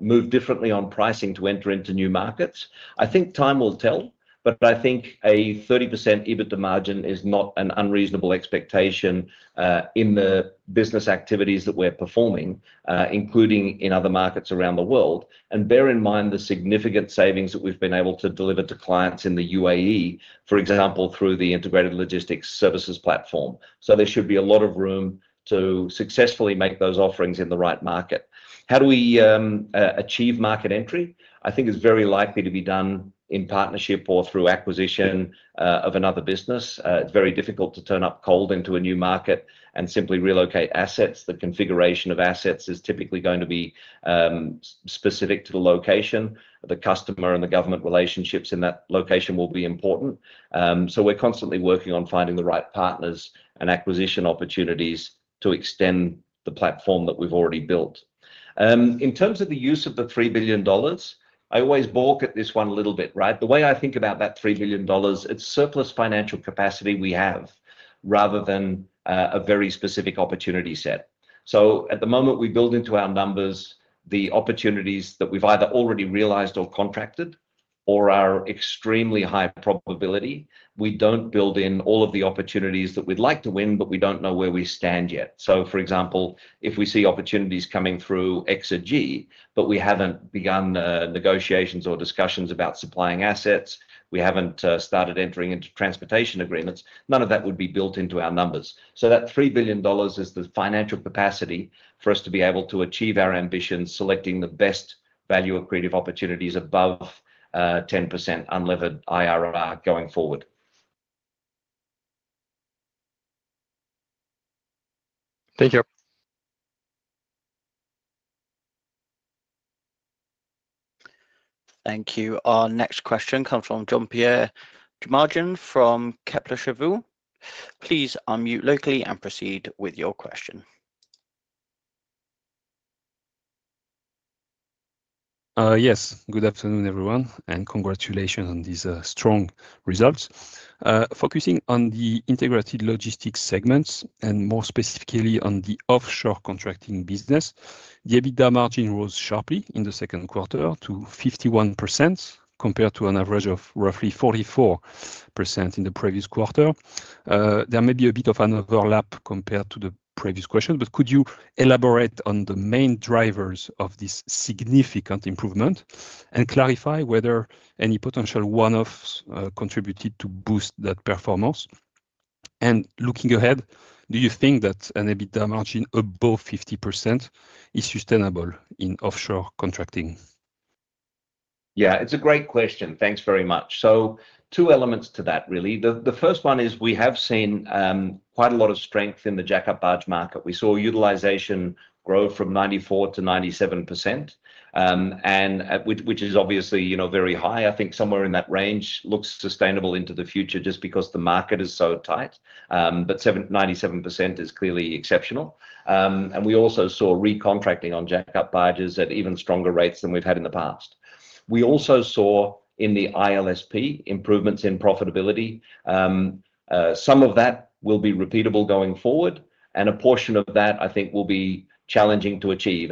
move differently on pricing to enter into new markets? I think time will tell, but I think a 30% EBITDA margin is not an unreasonable expectation in the business activities that we're performing, including in other markets around the world. Bear in mind the significant savings that we've been able to deliver to clients in the UAE, for example, through the Integrated Logistics Services Platform. There should be a lot of room to successfully make those offerings in the right market. How do we achieve market entry? I think it's very likely to be done in partnership or through acquisition of another business. It's very difficult to turn up cold into a new market and simply relocate assets. The configuration of assets is typically going to be specific to the location. The customer and the government relationships in that location will be important. We're constantly working on finding the right partners and acquisition opportunities to extend the platform that we've already built. In terms of the use of the $3 billion, I always balk at this one a little bit, right? The way I think about that $3 billion, it's surplus financial capacity we have rather than a very specific opportunity set. At the moment, we build into our numbers the opportunities that we've either already realized or contracted or are extremely high probability. We don't build in all of the opportunities that we'd like to win, but we don't know where we stand yet. For example, if we see opportunities coming through XRG, but we haven't begun negotiations or discussions about supplying assets, we haven't started entering into transportation agreements, none of that would be built into our numbers. That $3 billion is the financial capacity for us to be able to achieve our ambitions, selecting the best value accretive opportunities above 10% unlevered IRR going forward. Thank you. Thank you. Our next question comes from Jean-Pierre Dumargin from Kepler Cheuvreux. Please unmute locally and proceed with your question. Yes. Good afternoon, everyone, and congratulations on these strong results. Focusing on the integrated logistics segments and more specifically on the offshore contracting business, the EBITDA margin rose sharply in the SICOnd quarter to 51% compared to an average of roughly 44% in the previous quarter. There may be a bit of an overlap compared to the previous question, could you elaborate on the main drivers of this significant improvement and clarify whether any potential one-offs contributed to boost that performance? Looking ahead, do you think that an EBITDA margin above 50% is sustainable in offshore contracting? Yeah, it's a great question. Thanks very much. Two elements to that, really. The first one is we have seen quite a lot of strength in the Jack-Up Barge market. We saw utilization grow from 94%-97%, which is obviously very high. I think somewhere in that range looks sustainable into the future just because the market is so tight, but 97% is clearly exceptional. We also saw re-contracting on Jack-Up Barges at even stronger rates than we've had in the past. We also saw in the Integrated Logistics Services Platform improvements in profitability. Some of that will be repeatable going forward, and a portion of that I think will be challenging to achieve.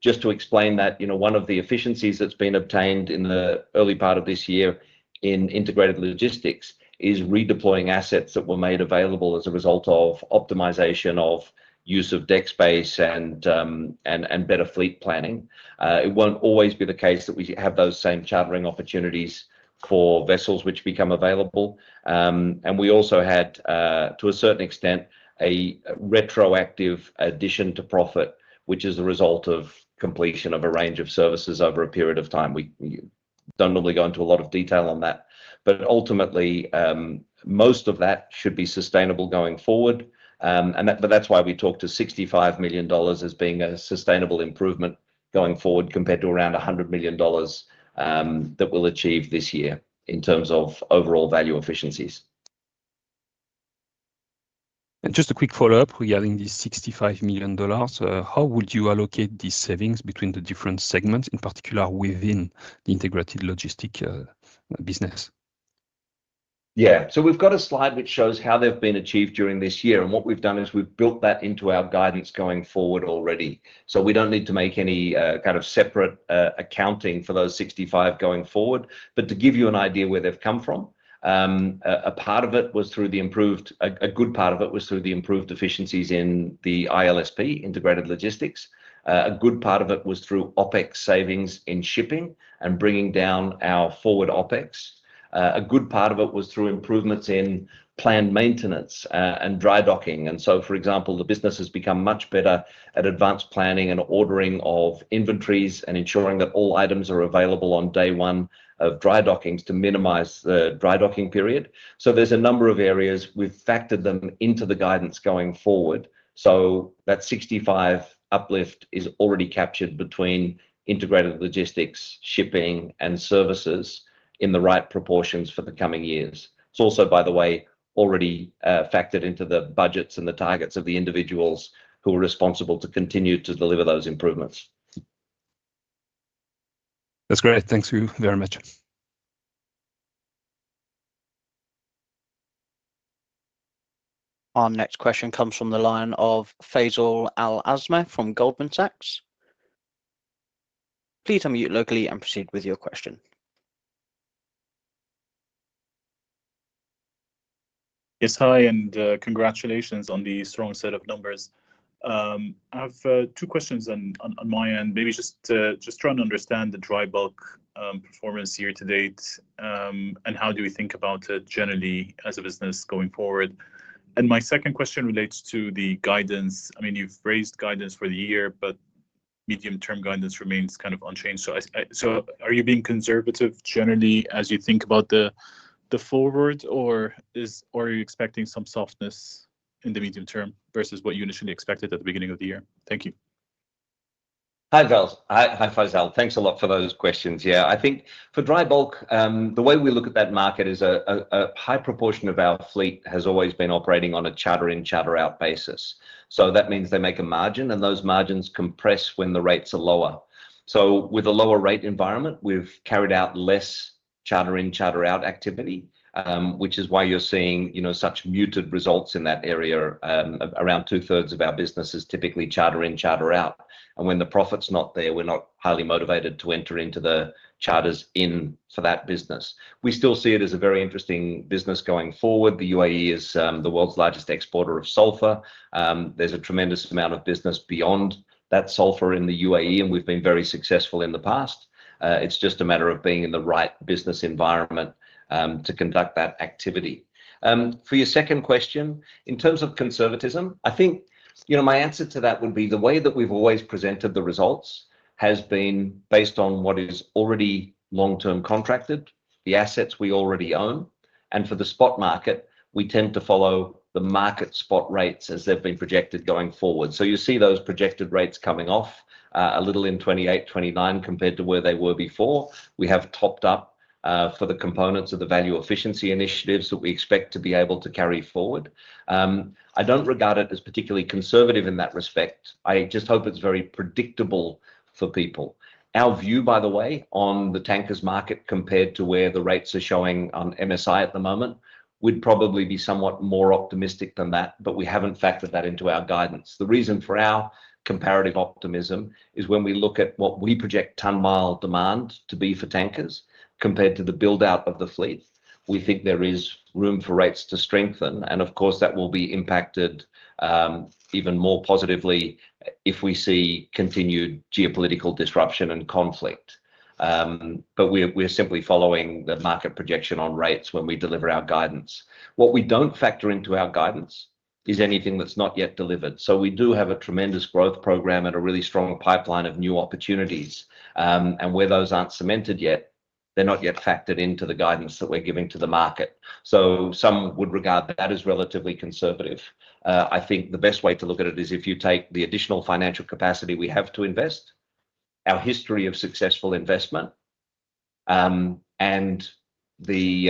Just to explain that, one of the efficiencies that's been obtained in the early part of this year in integrated logistics is redeploying assets that were made available as a result of optimization of use of deck space and better fleet planning. It won't always be the case that we have those same chartering opportunities for vessels which become available. We also had, to a certain extent, a retroactive addition to profit, which is the result of completion of a range of services over a period of time. We don't normally go into a lot of detail on that, but ultimately, most of that should be sustainable going forward. That's why we talked to $65 million as being a sustainable improvement going forward compared to around $100 million that we'll achieve this year in terms of overall value efficiencies. Just a quick follow-up regarding the $65 million. How would you allocate these savings between the different segments, in particular within the Integrated Logistics Management System business? Yeah. We've got a slide that shows how they've been achieved during this year, and what we've done is we've built that into our guidance going forward already. We don't need to make any kind of separate accounting for those $65 million going forward. To give you an idea where they've come from, a part of it was through the improved efficiencies in the ILSP, integrated logistics. A good part of it was through OpEx savings in shipping and bringing down our forward OpEx. A good part of it was through improvements in planned maintenance and dry docking. For example, the business has become much better at advanced planning and ordering of inventories and ensuring that all items are available on day one of dry dockings to minimize the dry docking period. There are a number of areas we've factored them into the guidance going forward. That $65 million uplift is already captured between integrated logistics, shipping, and services in the right proportions for the coming years. It's also, by the way, already factored into the budgets and the targets of the individuals who are responsible to continue to deliver those improvements. That's great. Thank you very much. Our next question comes from the line of Faisal Al-Azmeh from Goldman Sachs. Please unmute locally and proceed with your question. Yes, hi, and congratulations on the strong set of numbers. I have two questions on my end. Maybe just trying to understand the dry bulk performance year to date, and how do we think about it generally as a business going forward? My SICOnd question relates to the guidance. I mean, you've raised guidance for the year, but medium-term guidance remains kind of unchanged. Are you being conservative generally as you think about the forward, or are you expecting some softness in the medium term versus what you initially expected at the beginning of the year? Thank you. Hi, Faisal. Thanks a lot for those questions. Yeah, I think for dry bulk, the way we look at that market is a high proportion of our fleet has always been operating on a charter in, charter out basis. That means they make a margin, and those margins compress when the rates are lower. With a lower rate environment, we've carried out less charter in, charter out activity, which is why you're seeing such muted results in that area. Around two-thirds of our business is typically charter in, charter out. When the profit's not there, we're not highly motivated to enter into the charters in for that business. We still see it as a very interesting business going forward. The UAE is the world's largest exporter of sulfur. There's a tremendous amount of business beyond that sulfur in the UAE, and we've been very successful in the past. It's just a matter of being in the right business environment to conduct that activity. For your SICOnd question, in terms of conservatism, I think my answer to that would be the way that we've always presented the results has been based on what is already long-term contracted, the assets we already own. For the spot market, we tend to follow the market spot rates as they've been projected going forward. You see those projected rates coming off a little in 2028, 2029 compared to where they were before. We have topped up for the components of the value efficiency initiatives that we expect to be able to carry forward. I don't regard it as particularly conservative in that respect. I just hope it's very predictable for people. Our view, by the way, on the tankers market compared to where the rates are showing on MSI at the moment would probably be somewhat more optimistic than that, but we haven't factored that into our guidance. The reason for our comparative optimism is when we look at what we project ton-mile demand to be for tankers compared to the build-out of the fleet, we think there is room for rates to strengthen. Of course, that will be impacted even more positively if we see continued geopolitical disruption and conflict. We're simply following the market projection on rates when we deliver our guidance. What we don't factor into our guidance is anything that's not yet delivered. We do have a tremendous growth program and a really strong pipeline of new opportunities. Where those aren't cemented yet, they're not yet factored into the guidance that we're giving to the market. Some would regard that as relatively conservative. I think the best way to look at it is if you take the additional financial capacity we have to invest, our history of successful investment, and the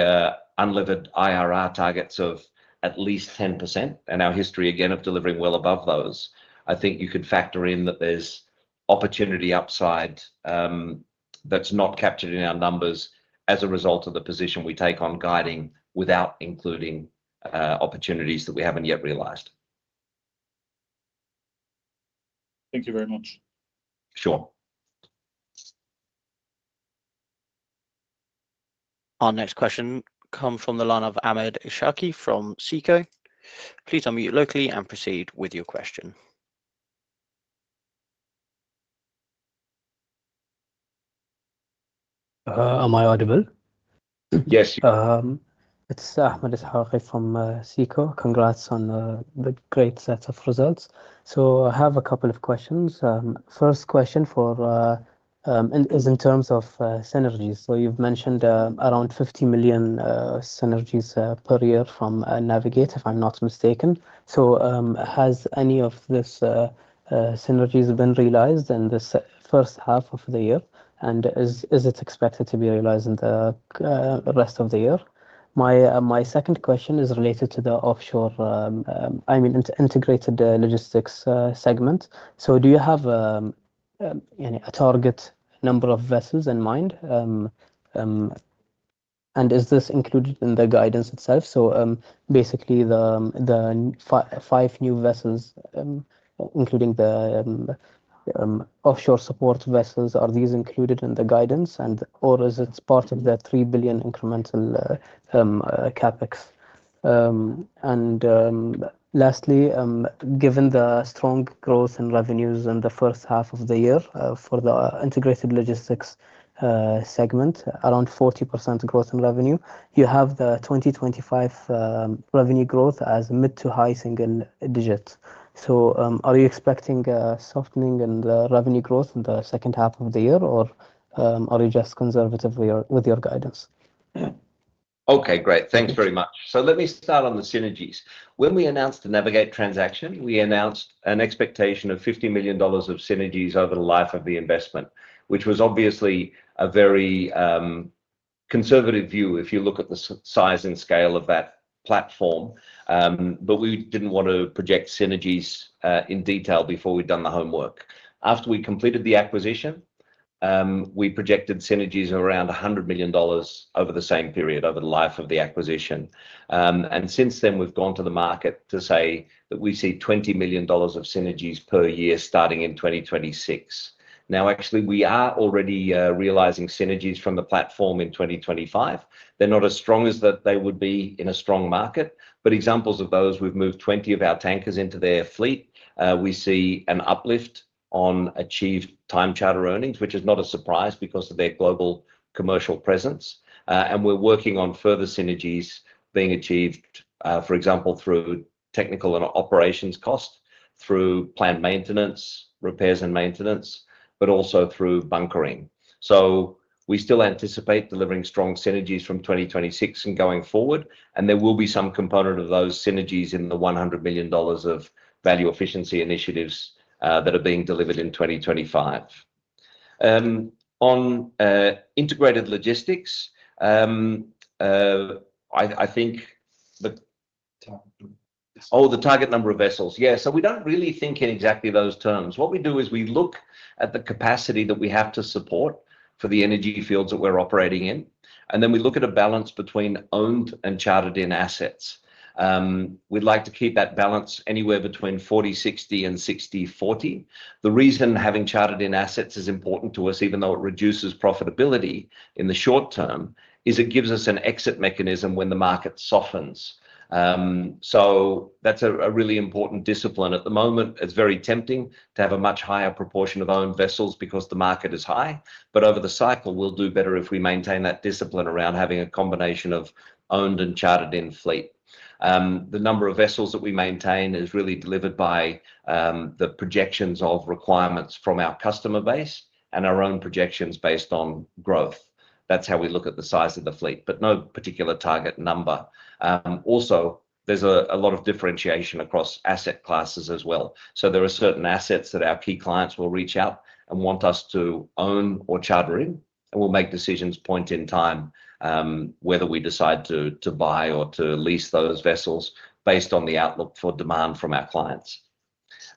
unlevered IRR targets of at least 10%, and our history again of delivering well above those, I think you could factor in that there's opportunity upside that's not captured in our numbers as a result of the position we take on guiding without including opportunities that we haven't yet realized. Thank you very much. Sure. Our next question comes from the line of Ahmed Ishaqi from SICO Please unmute locally and proceed with your question. Am I audible? Yes. It's Ahmed Ishaqi from SICO. Congrats on the great set of results. I have a couple of questions. My first question is in terms of synergies. You've mentioned around $50 million synergies per year from Navig8, if I'm not mistaken. Have any of these synergies been realized in the first half of the year, and is it expected to be realized in the rest of the year? My SICOnd question is related to the offshore, I mean, integrated logistics segment. Do you have a target number of vessels in mind, and is this included in the guidance itself? Basically, the five new vessels, including the offshore support vessels, are these included in the guidance, or is it part of the $3 billion incremental CapEx? Lastly, given the strong growth in revenues in the first half of the year for the integrated logistics segment, around 40% growth in revenue, you have the 2025 revenue growth as mid to high single digits. Are you expecting a softening in the revenue growth in the SICOnd half of the year, or are you just conservative with your guidance? Okay, great. Thanks very much. Let me start on the synergies. When we announced the Navig8 transaction, we announced an expectation of $50 million of synergies over the life of the investment, which was obviously a very conservative view if you look at the size and scale of that platform. We didn't want to project synergies in detail before we'd done the homework. After we completed the acquisition, we projected synergies around $100 million over the same period, over the life of the acquisition. Since then, we've gone to the market to say that we see $20 million of synergies per year starting in 2026. Actually, we are already realizing synergies from the platform in 2025. They're not as strong as they would be in a strong market, but examples of those, we've moved 20 of our tankers into their fleet. We see an uplift on achieved time charter earnings, which is not a surprise because of their global commercial presence. We're working on further synergies being achieved, for example, through technical and operations costs, through plant maintenance, repairs, and maintenance, but also through bunkering. We still anticipate delivering strong synergies from 2026 and going forward. There will be some component of those synergies in the $100 million of value efficiency initiatives that are being delivered in 2025. On integrated logistics, I think the target number of vessels, yeah, we don't really think in exactly those terms. What we do is we look at the capacity that we have to support for the energy fields that we're operating in, and then we look at a balance between owned and chartered in assets. We'd like to keep that balance anywhere between 40/60 and 60/40. The reason having chartered in assets is important to us, even though it reduces profitability in the short-term, is it gives us an exit mechanism when the market softens. That's a really important discipline. At the moment, it's very tempting to have a much higher proportion of owned vessels because the market is high, but over the cycle, we'll do better if we maintain that discipline around having a combination of owned and chartered in fleet. The number of vessels that we maintain is really delivered by the projections of requirements from our customer base and our own projections based on growth. That's how we look at the size of the fleet, but no particular target number. Also, there's a lot of differentiation across asset classes as well. There are certain assets that our key clients will reach out and want us to own or charter in, and we'll make decisions point in time whether we decide to buy or to lease those vessels based on the outlook for demand from our clients.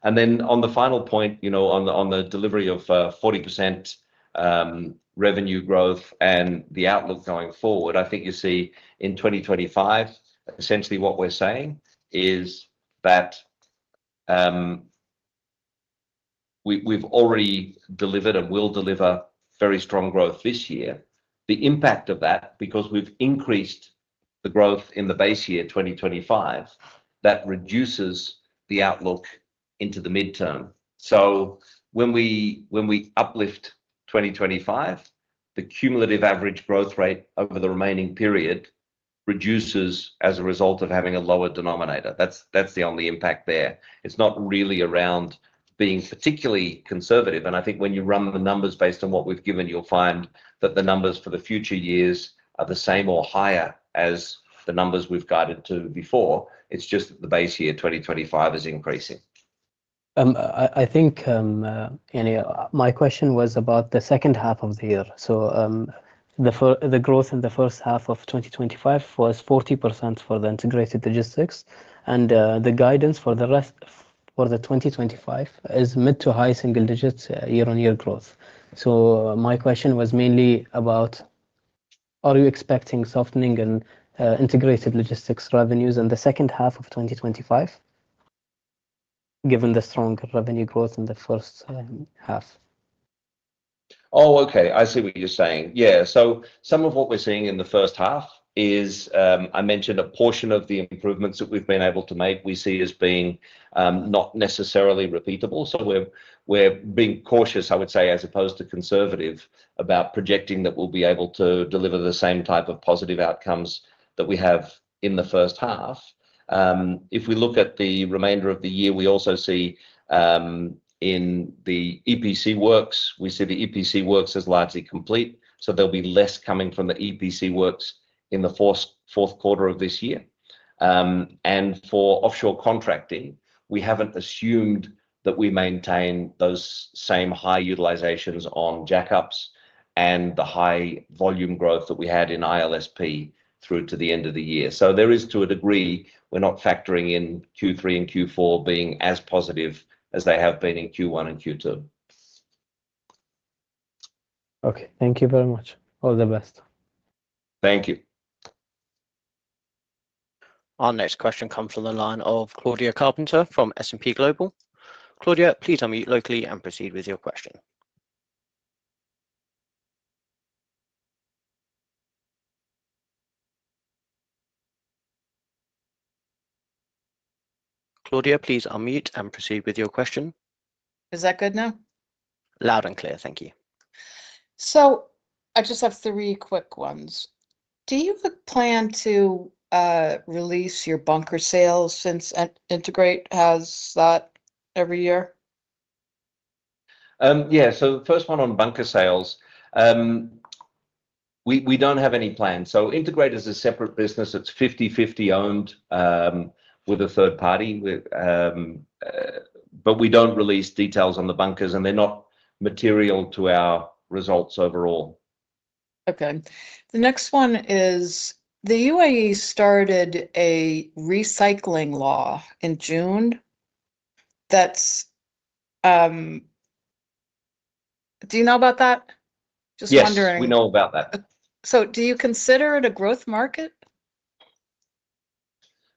On the final point, on the delivery of 40% revenue growth and the outlook going forward, I think you see in 2025, essentially what we're saying is that we've already delivered and will deliver very strong growth this year. The impact of that, because we've increased the growth in the base year 2025, reduces the outlook into the midterm. When we uplift 2025, the cumulative average growth rate over the remaining period reduces as a result of having a lower denominator. That's the only impact there. It's not really around being particularly conservative. I think when you run the numbers based on what we've given, you'll find that the numbers for the future years are the same or higher as the numbers we've guided to before. It's just that the base year 2025 is increasing. I think my question was about the SICOnd half of the year. The growth in the first half of 2025 was 40% for the integrated logistics, and the guidance for the rest of 2025 is mid to high single digits year-on-year growth. My question was mainly about are you expecting softening in integrated logistics revenues in the SICOnd half of 2025, given the strong revenue growth in the first half? Oh, okay. I see what you're saying. Yeah. Some of what we're seeing in the first half is, I mentioned, a portion of the improvements that we've been able to make we see as being not necessarily repeatable. We're being cautious, I would say, as opposed to conservative about projecting that we'll be able to deliver the same type of positive outcomes that we have in the first half. If we look at the remainder of the year, we also see in the EPC works, the EPC works is largely complete. There'll be less coming from the EPC works in the fourth quarter of this year. For offshore contracting, we haven't assumed that we maintain those same high utilizations on Jack-Up Barges and the high volume growth that we had in the Integrated Logistics Services Platform through to the end of the year. There is, to a degree, we're not factoring in Q3 and Q4 being as positive as they have been in Q1 and Q2. Okay, thank you very much. All the best. Thank you. Our next question comes from the line of Claudia Carpenter from S&P Global. Claudia, please unmute locally and proceed with your question. Claudia, please unmute and proceed with your question. Is that good now? Loud and clear. Thank you. I just have three quick ones. Do you plan to release your bunker sales since Navig8 has that every year? Yeah. The first one on bunker sales, we don't have any plans. Integrate is a separate business. It's 50/50 owned with a third party. We don't release details on the bunkers, and they're not material to our results overall. Okay. The next one is the UAE started a recycling law in June. Do you know about that? Just wondering. Yeah, we know about that. Do you consider it a growth market?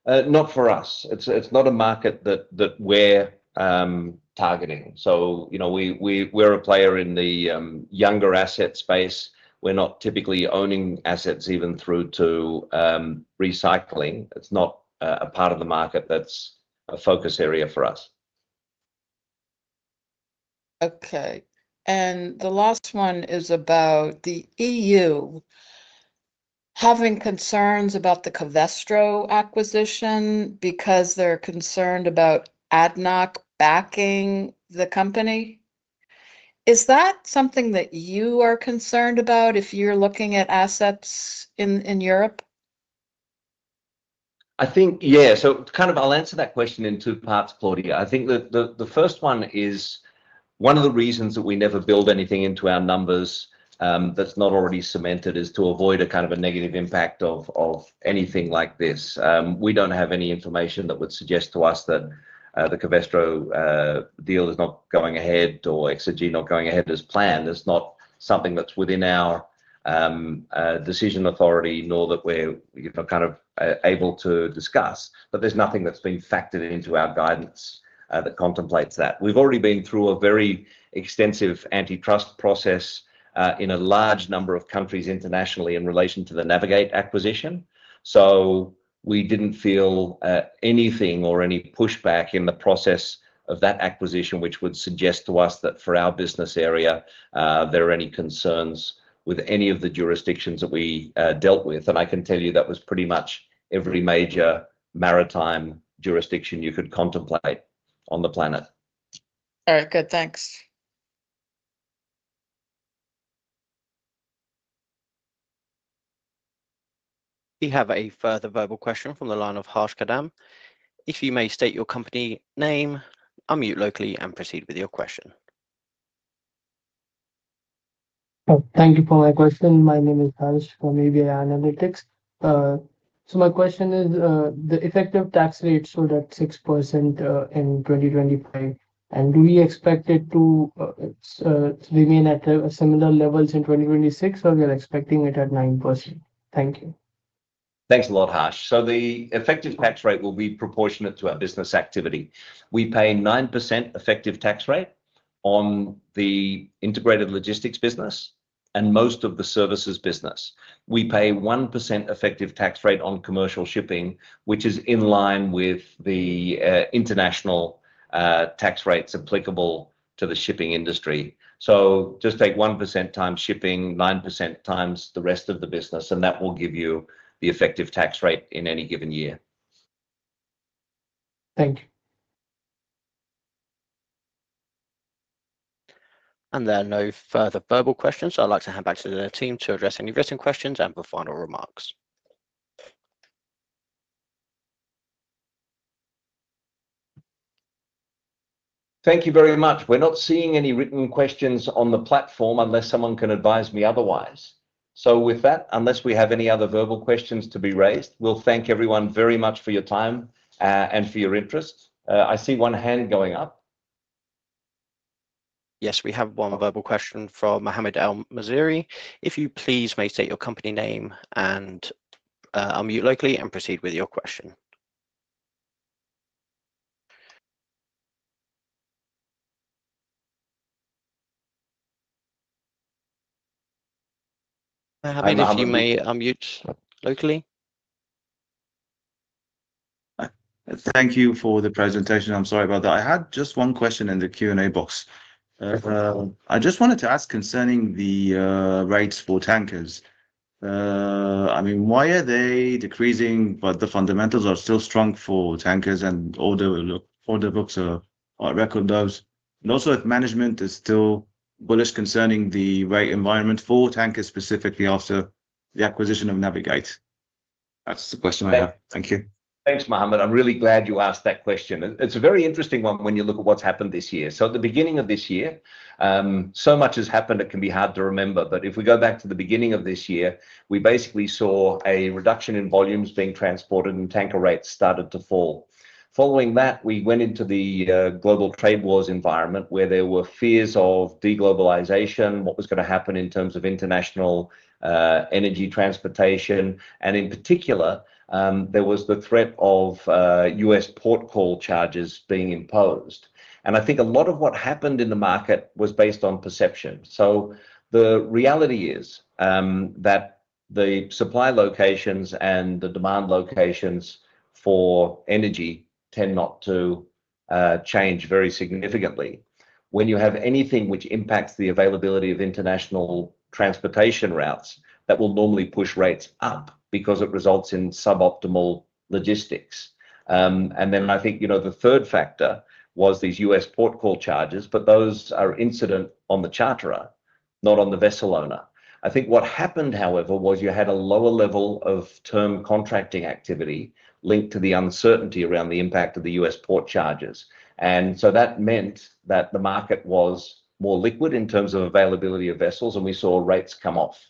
Not for us. It's not a market that we're targeting. You know we're a player in the younger asset space. We're not typically owning assets even through to recycling. It's not a part of the market that's a focus area for us. Okay. The last one is about the EU having concerns about the Covestro acquisition because they're concerned about ADNOC backing the company. Is that something that you are concerned about if you're looking at assets in Europe? I think, yeah. I'll answer that question in two parts, Claudia. I think that the first one is one of the reasons that we never build anything into our numbers that's not already cemented is to avoid a kind of a negative impact of anything like this. We don't have any information that would suggest to us that the Covestro deal is not going ahead or XRG not going ahead as planned. It's not something that's within our decision authority, nor that we're able to discuss. There's nothing that's been factored into our guidance that contemplates that. We've already been through a very extensive antitrust process in a large number of countries internationally in relation to the Navig8 acquisition. We didn't feel anything or any pushback in the process of that acquisition, which would suggest to us that for our business area, there are any concerns with any of the jurisdictions that we dealt with. I can tell you that was pretty much every major maritime jurisdiction you could contemplate on the planet. All right. Good, thanks. We have a further verbal question from the line of Harsh Kadam. If you may state your company name, unmute locally, and proceed with your question. Thank you for my question. My name is Harsh from ABI Analytics. My question is the effective tax rate showed at 6% in 2025. Do we expect it to remain at similar levels in 2026, or are we expecting it at 9%? Thank you. Thanks a lot, Harsh. The effective tax rate will be proportionate to our business activity. We pay 9% effective tax rate on the integrated logistics business and most of the services business. We pay 1% effective tax rate on commercial shipping, which is in line with the international tax rates applicable to the shipping industry. Just take 1% times shipping, 9% times the rest of the business, and that will give you the effective tax rate in any given year. Thank you. There are no further verbal questions. I'd like to hand back to the team to address any written questions and for final remarks. Thank you very much. We're not seeing any written questions on the platform unless someone can advise me otherwise. With that, unless we have any other verbal questions to be raised, we'll thank everyone very much for your time and for your interest. I see one hand going up. Yes, we have one verbal question from Mohammed Elmessiry. If you please may state your company name and unmute locally, proceed with your question. If you may unmute locally. Thank you for the presentation. I'm sorry about that. I had just one question in the Q&A box. I just wanted to ask concerning the rates for tankers. I mean, why are they decreasing, but the fundamentals are still strong for tankers and all the books are record those? Also, if management is still bullish concerning the right environment for tankers specifically after the acquisition of Navig8? That's the question I have. Thank you. Thanks, Mohammed. I'm really glad you asked that question. It's a very interesting one when you look at what's happened this year. At the beginning of this year, so much has happened it can be hard to remember. If we go back to the beginning of this year, we basically saw a reduction in volumes being transported and tanker rates started to fall. Following that, we went into the global trade wars environment where there were fears of de-globalization, what was going to happen in terms of international energy transportation. In particular, there was the threat of U.S. port call charges being imposed. I think a lot of what happened in the market was based on perception. The reality is that the supply locations and the demand locations for energy tend not to change very significantly. When you have anything which impacts the availability of international transportation routes, that will normally push rates up because it results in suboptimal logistics. I think the third factor was these U.S. port call charges, but those are incident on the charter, not on the vessel owner. I think what happened, however, was you had a lower level of term contracting activity linked to the uncertainty around the impact of the U.S. port charges. That meant that the market was more liquid in terms of availability of vessels, and we saw rates come off.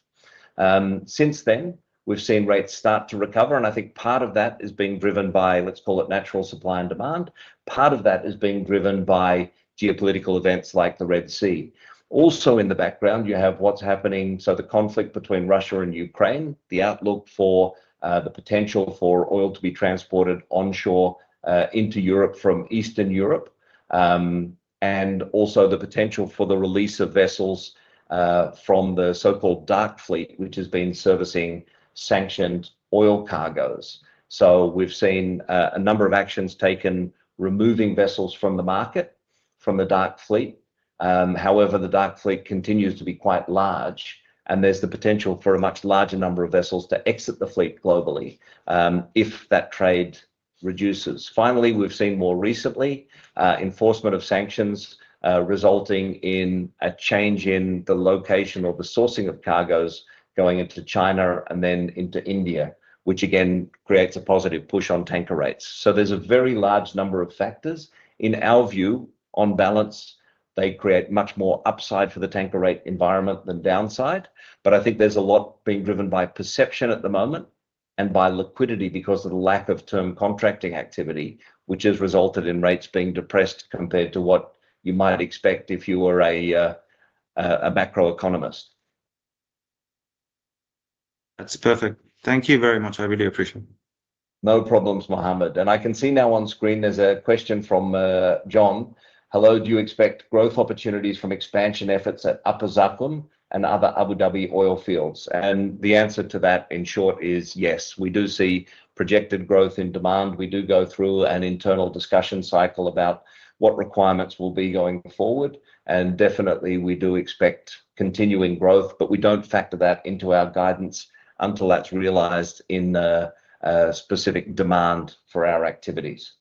Since then, we've seen rates start to recover, and I think part of that is being driven by, let's call it, natural supply and demand. Part of that is being driven by geopolitical events like the Red Sea. Also in the background, you have what's happening, the conflict between Russia and Ukraine, the outlook for the potential for oil to be transported onshore into Europe from Eastern Europe, and also the potential for the release of vessels from the so-called dark fleet, which has been servicing sanctioned oil cargoes. We've seen a number of actions taken, removing vessels from the market, from the dark fleet. However, the dark fleet continues to be quite large, and there's the potential for a much larger number of vessels to exit the fleet globally if that trade reduces. Finally, we've seen more recently enforcement of sanctions resulting in a change in the location or the sourcing of cargoes going into China and then into India, which again creates a positive push on tanker rates. There's a very large number of factors. In our view, on balance, they create much more upside for the tanker rate environment than downside. I think there's a lot being driven by perception at the moment and by liquidity because of the lack of term contracting activity, which has resulted in rates being depressed compared to what you might expect if you were a macro economist. That's perfect. Thank you very much. I really appreciate it. No problems, Mohammed. I can see now on screen there's a question from John. Hello, do you expect growth opportunities from expansion efforts at Upper Zakum and other Abu Dhabi oil fields? The answer to that in short is yes. We do see projected growth in demand. We do go through an internal discussion cycle about what requirements will be going forward. We definitely do expect continuing growth, but we don't factor that into our guidance until that's realized in the specific demand for our activities.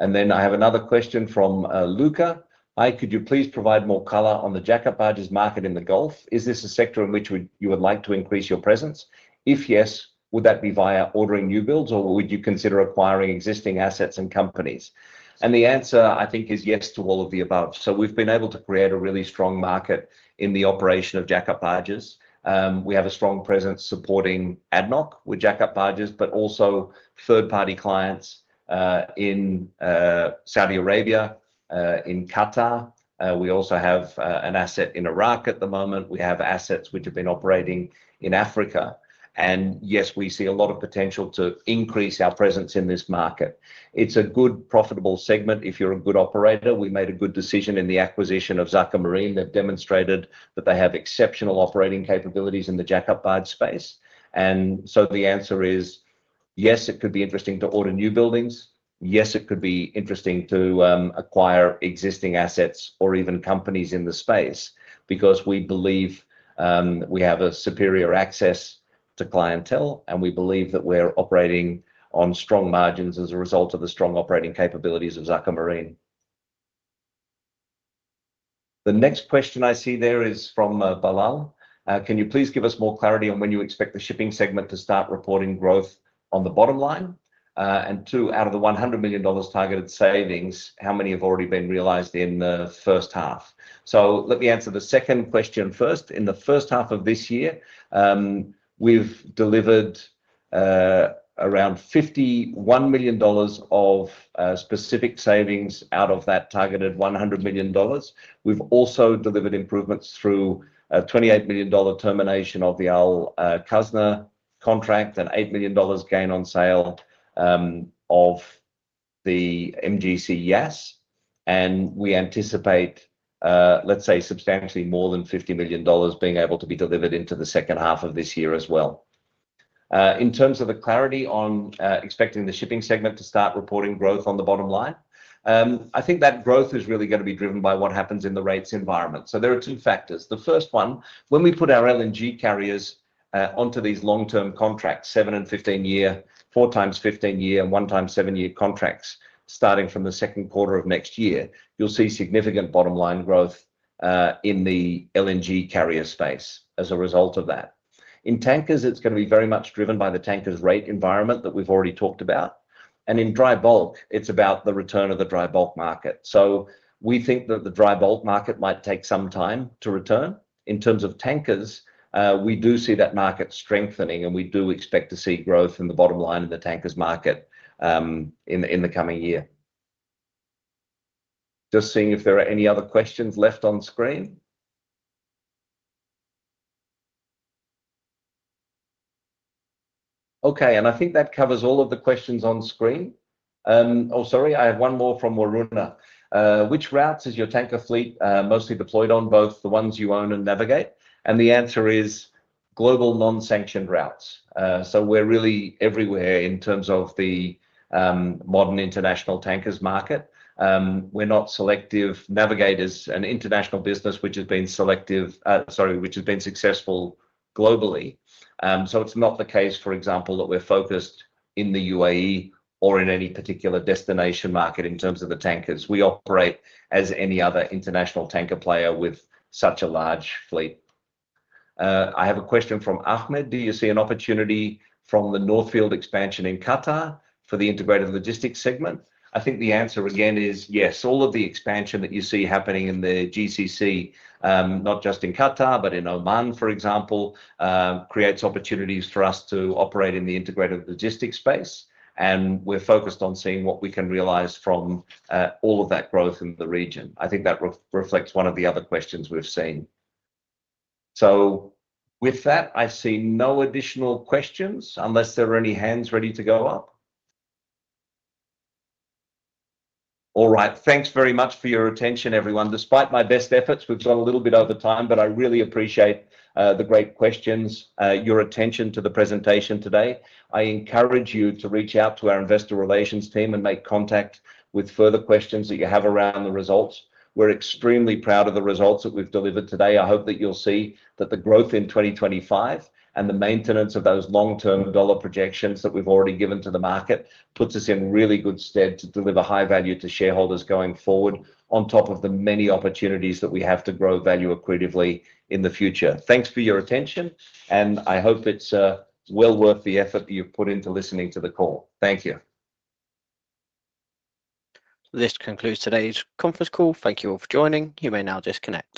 I have another question from Luca. Hi, could you please provide more color on the Jack-Up Barges market in the Gulf? Is this a sector in which you would like to increase your presence? If yes, would that be via ordering New builds or would you consider acquiring existing assets and companies? The answer, I think, is yes to all of the above. We've been able to create a really strong market in the operation of Jack-Up Barges. We have a strong presence supporting ADNOC with Jack-Up Barges, but also third-party clients in Saudi Arabia and Qatar. We also have an asset in Iraq at the moment. We have assets which have been operating in Africa. Yes, we see a lot of potential to increase our presence in this market. It's a good, profitable segment if you're a good operator. We made a good decision in the acquisition of Zakher Marine. They've demonstrated that they have exceptional operating capabilities in the Jack-Up Barge space. The answer is yes, it could be interesting to order new buildings. Yes, it could be interesting to acquire existing assets or even companies in the space because we believe we have superior access to clientele and we believe that we're operating on strong margins as a result of the strong operating capabilities of Zakher Marine. The next question I see there is from Balal. Can you please give us more clarity on when you expect the shipping segment to start reporting growth on the bottom line? Out of the $100 million targeted savings, how many have already been realized in the first half? Let me answer the SICOnd question first. In the first half of this year, we've delivered around $51 million of specific savings out of that targeted $100 million. We've also delivered improvements through a $28 million termination of the Al-Khazneh contract and $8 million gain on sale of the MGC Yas. We anticipate, let's say, substantially more than $50 million being able to be delivered into the SICOnd half of this year as well. In terms of the clarity on expecting the shipping segment to start reporting growth on the bottom line, I think that growth is really going to be driven by what happens in the rates environment. There are two factors. The first one, when we put our LNG carriers onto these long-term contracts, seven and 15-year, 4xt 15-year and 1x seven-year contracts, starting from the SICOnd quarter of next year, you'll see significant bottom line growth in the LNG carrier space as a result of that. In tankers, it's going to be very much driven by the tankers rate environment that we've already talked about. In dry bulk, it's about the return of the dry bulk market. We think that the dry bulk market might take some time to return. In terms of tankers, we do see that market strengthening and we do expect to see growth in the bottom line in the tankers market in the coming year. Just seeing if there are any other questions left on screen. I think that covers all of the questions on screen. Oh, sorry, I have one more from Waruna. Which routes is your tanker fleet mostly deployed on, both the ones you own and Navig8? The answer is global non-sanctioned routes. We're really everywhere in terms of the modern international tankers market. We're not selective navigators and international business, which has been successful globally. It's not the case, for example, that we're focused in the UAE or in any particular destination market in terms of the tankers. We operate as any other international tanker player with such a large fleet. I have a question from Ahmed. Do you see an opportunity from the North Field expansion in Qatar for the integrated logistics segment? I think the answer again is yes. All of the expansion that you see happening in the GCC, not just in Qatar but in Oman, for example, creates opportunities for us to operate in the integrated logistics space. We're focused on seeing what we can realize from all of that growth in the region. I think that reflects one of the other questions we've seen. With that, I see no additional questions unless there are any hands ready to go up. Thanks very much for your attention, everyone. Despite my best efforts, we've gone a little bit over time, but I really appreciate the great questions and your attention to the presentation today. I encourage you to reach out to our investor relations team and make contact with further questions that you have around the results. We're extremely proud of the results that we've delivered today. I hope that you'll see that the growth in 2025 and the maintenance of those long-term dollar projections that we've already given to the market puts us in really good stead to deliver high value to shareholders going forward on top of the many opportunities that we have to grow value accretively in the future. Thanks for your attention, and I hope it's well worth the effort that you've put into listening to the call. Thank you. This concludes today's conference call. Thank you all for joining. You may now disconnect.